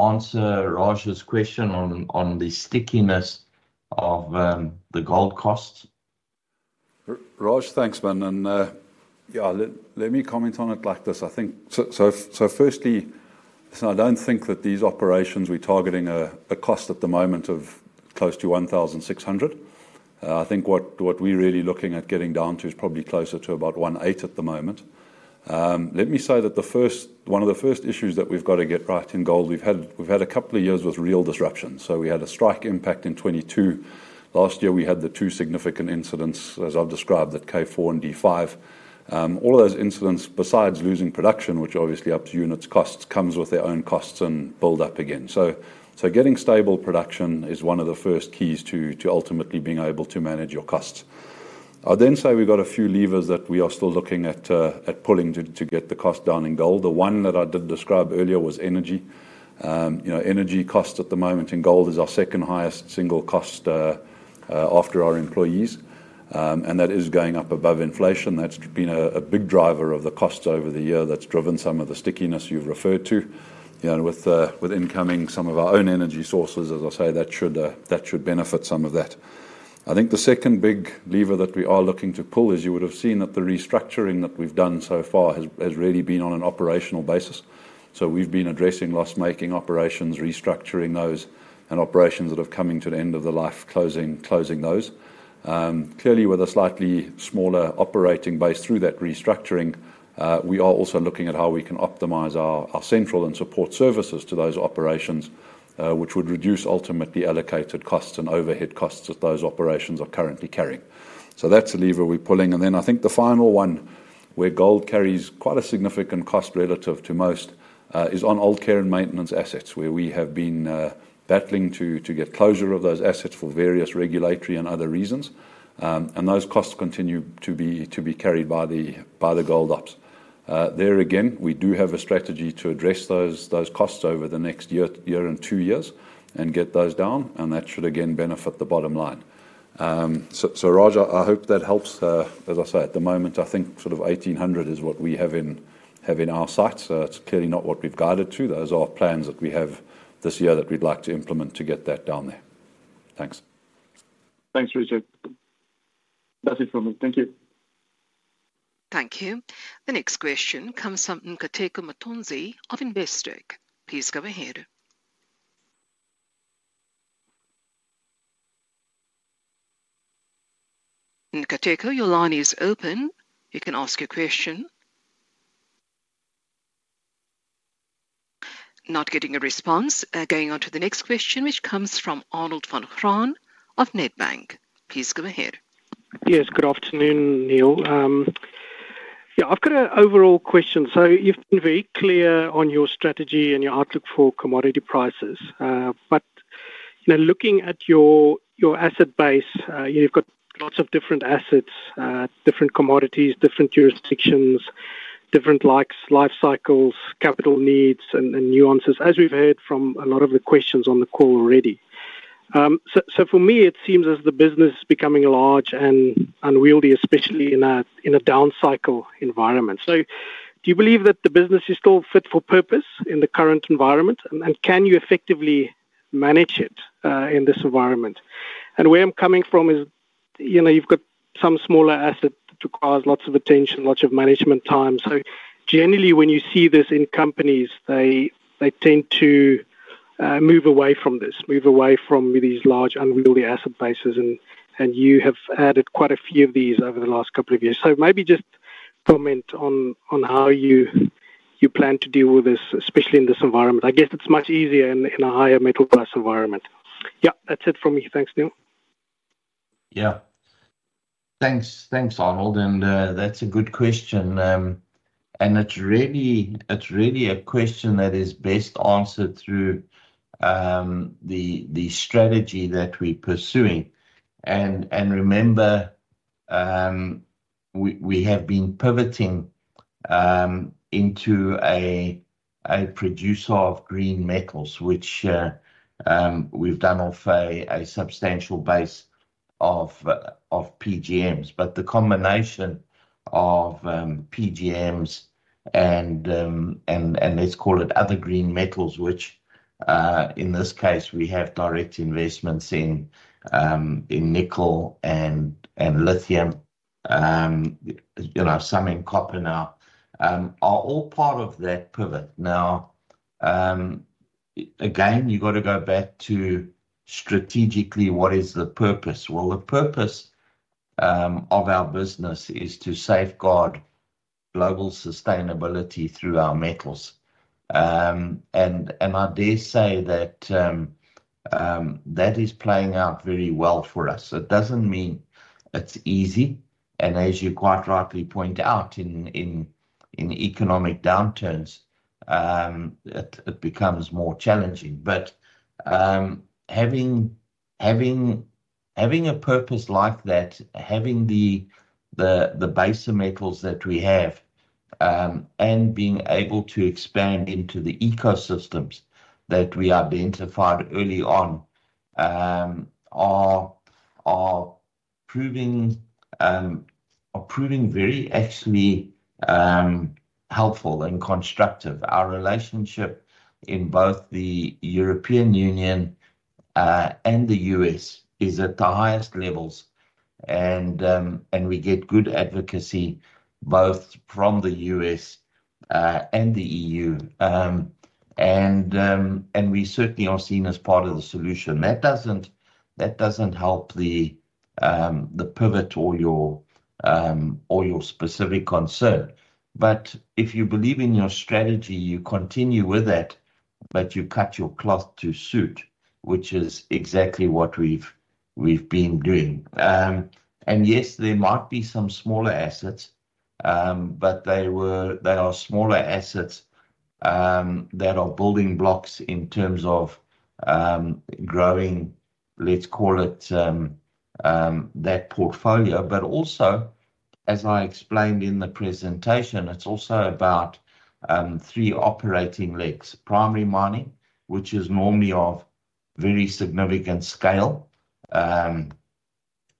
answer Raj's question on the stickiness of the gold costs. Raj, thanks, Ben. And yeah, let me comment on it like this. I think so firstly, listen, I don't think that these operations, we're targeting a cost at the moment of close to 1,600. I think what we're really looking at getting down to is probably closer to about 1,800 at the moment. Let me say that the first one of the first issues that we've got to get right in gold, we've had a couple of years with real disruptions. So we had a strike impact in 2022. Last year, we had the two significant incidents, as I've described, at K4 and D5. All of those incidents, besides losing production, which obviously ups units' costs, comes with their own costs and build up again. So so getting stable production is one of the first keys to to ultimately being able to manage your costs. I'd then say we've got a few levers that we are still looking at at pulling to to get the cost down in gold. The one that I did describe earlier was energy. You know, energy costs at the moment in gold is our second highest single cost after our employees. And that is going up above inflation. That's been a big driver of the costs over the year that's driven some of the stickiness you've referred to. You know, with incoming some of our own energy sources, as I say, that should benefit some of that. I think the second big lever that we are looking to pull is you would have seen that the restructuring that we've done so far has really been on an operational basis. So we've been addressing loss-making operations, restructuring those, and operations that are coming to the end of the life, closing those. Clearly, with a slightly smaller operating base through that restructuring, we are also looking at how we can optimize our central and support services to those operations, which would reduce ultimately allocated costs and overhead costs that those operations are currently carrying. So that's a lever we're pulling. And then I think the final one, where gold carries quite a significant cost relative to most, is on old care and maintenance assets, where we have been battling to get closure of those assets for various regulatory and other reasons. And those costs continue to be carried by the gold ops. There again, we do have a strategy to address those costs over the next year and two years and get those down. And that should again benefit the bottom line. So, Raj, I hope that helps. As I say, at the moment, I think sort of 1,800 is what we have in our sights. So it's clearly not what we've guided to. Those are plans that we have this year that we'd like to implement to get that down there. Thanks. Thanks, Richard. That's it from me. Thank you. Thank you. The next question comes from Nkateko Mutunze of Investec. Please go ahead. Nkateko, your line is open. You can ask your question. Not getting a response. Going on to the next question, which comes from Arnold van Graan of Nedbank. Please go ahead. Yes, good afternoon, Neal. Yeah, I've got an overall question. So you've been very clear on your strategy and your outlook for commodity prices. But you know looking at your your asset base, you know you've got lots of different assets, different commodities, different jurisdictions, different like life cycles, capital needs, and and nuances, as we've heard from a lot of the questions on the call already. So so for me, it seems as the business is becoming large and unwieldy, especially in a in a down cycle environment. So do you believe that the business is still fit for purpose in the current environment? And can you effectively manage it in this environment? And where I'm coming from is you know you've got some smaller assets that cause lots of attention, lots of management time. So generally, when you see this in companies, they tend to move away from this, move away from these large unwieldy asset bases. And you have added quite a few of these over the last couple of years. So maybe just comment on how you plan to deal with this, especially in this environment. I guess it's much easier in a higher metal price environment. Yeah, that's it from me. Thanks, Neal. Yeah. Thanks. Thanks, Arnold. And that's a good question. And it's really a question that is best answered through the strategy that we're pursuing. And remember, we have been pivoting into a producer of green metals, which we've done off a substantial base of PGMs. But the combination of PGMs and let's call it other green metals, which in this case, we have direct investments in nickel and lithium, you know some in copper now, are all part of that pivot. Now, again, you've got to go back to strategically, what is the purpose? Well, the purpose of our business is to safeguard global sustainability through our metals. And I dare say that is playing out very well for us. It doesn't mean it's easy. And as you quite rightly point out, in economic downturns, it becomes more challenging. But having a purpose like that, having the base of metals that we have and being able to expand into the ecosystems that we identified early on are proving very actually helpful and constructive. Our relationship in both the European Union and the U.S. is at the highest levels. And we get good advocacy both from the U.S. and the E.U. And we certainly are seen as part of the solution. That doesn't help the pivot or your specific concern. But if you believe in your strategy, you continue with that, but you cut your cloth to suit, which is exactly what we've been doing. And yes, there might be some smaller assets, but they are smaller assets that are building blocks in terms of growing, let's call it, that portfolio. But also, as I explained in the presentation, it's also about three operating legs: primary mining, which is normally of very significant scale.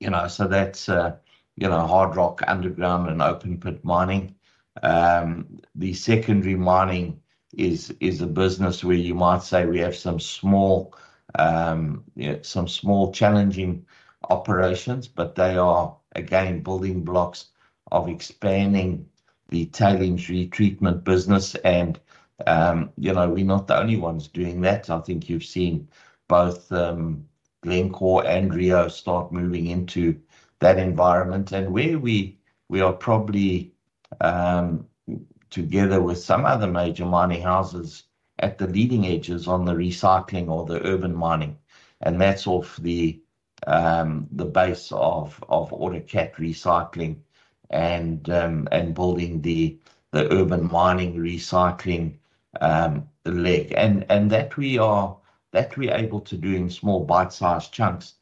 You know, so that's you know hard rock, underground, and open-pit mining. The secondary mining is a business where you might say we have some small you know some small challenging operations, but they are, again, building blocks of expanding the tailings retreatment business. And you know we're not the only ones doing that. I think you've seen both Glencore and Rio start moving into that environment. And where we are probably, together with some other major mining houses, at the leading edges on the recycling or the urban mining. And that's off the base of autocatalyst recycling and building the urban mining recycling leg. And that we're able to do in small bite-sized chunks,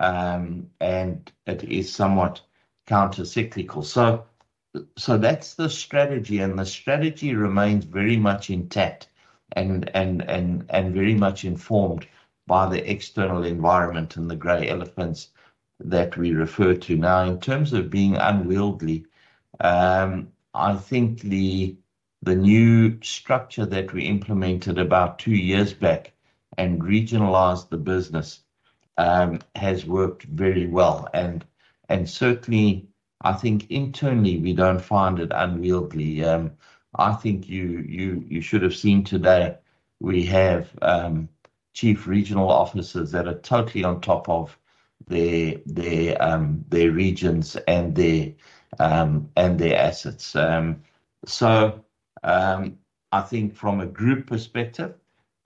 and it is somewhat countercyclical. So that's the strategy. And the strategy remains very much intact and very much informed by the external environment and the gray elephants that we refer to now. In terms of being unwieldy, I think the new structure that we implemented about two years back and regionalized the business has worked very well. And certainly, I think internally, we don't find it unwieldy. I think you should have seen today, we have Chief Regional Officers that are totally on top of their regions and their assets. So I think from a group perspective,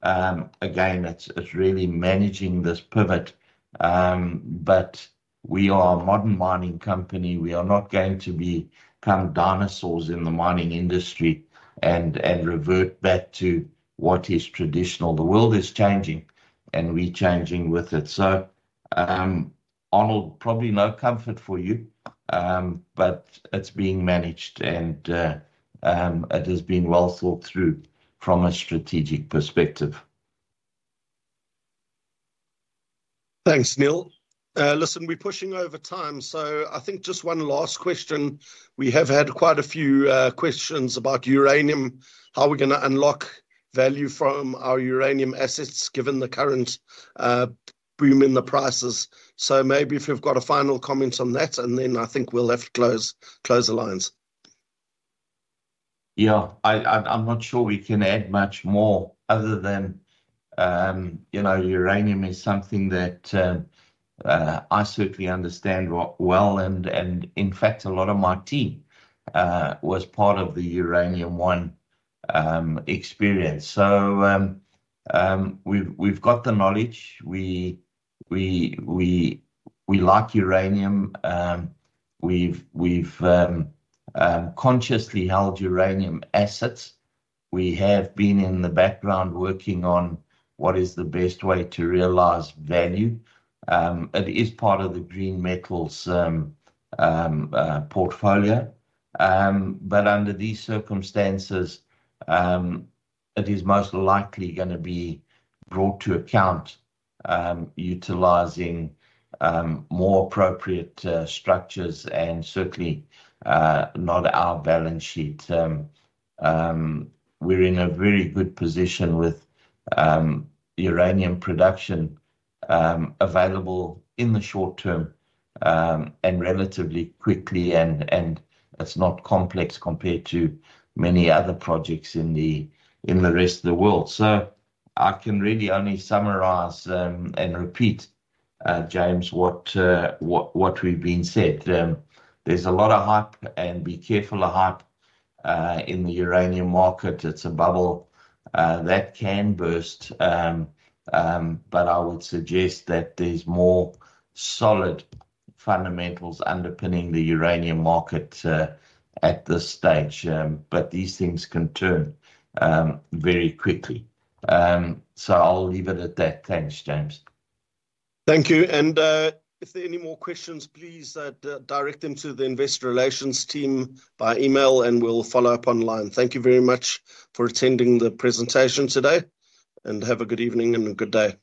again, it's really managing this pivot. But we are a modern mining company. We are not going to become dinosaurs in the mining industry and revert back to what is traditional. The world is changing, and we're changing with it. So Arnold, probably no comfort for you, but it's being managed, and it has been well thought through from a strategic perspective. Thanks, Neal. Listen, we're pushing over time. So I think just one last question. We have had quite a few questions about uranium, how we're going to unlock value from our uranium assets given the current boom in the prices. So maybe if you've got a final comment on that, and then I think we'll have to close the lines. Yeah, I'm not sure we can add much more other than you know uranium is something that I certainly understand well. And in fact, a lot of my team was part of the Uranium One experience. So we've got the knowledge. We like uranium. We've consciously held uranium assets. We have been in the background working on what is the best way to realize value. It is part of the green metals portfolio. But under these circumstances, it is most likely going to be brought to account utilizing more appropriate structures and certainly not our balance sheet. We're in a very good position with uranium production available in the short term and relatively quickly. And it's not complex compared to many other projects in the rest of the world. So I can really only summarize and repeat, James, what we've said. There's a lot of hype, and be careful, a hype in the uranium market. It's a bubble that can burst. I would suggest that there's more solid fundamentals underpinning the uranium market at this stage. These things can turn very quickly. I'll leave it at that. Thanks, James. Thank you. And if there are any more questions, please direct them to the Investor Relations team by email, and we'll follow up online. Thank you very much for attending the presentation today, and have a good evening and a good day.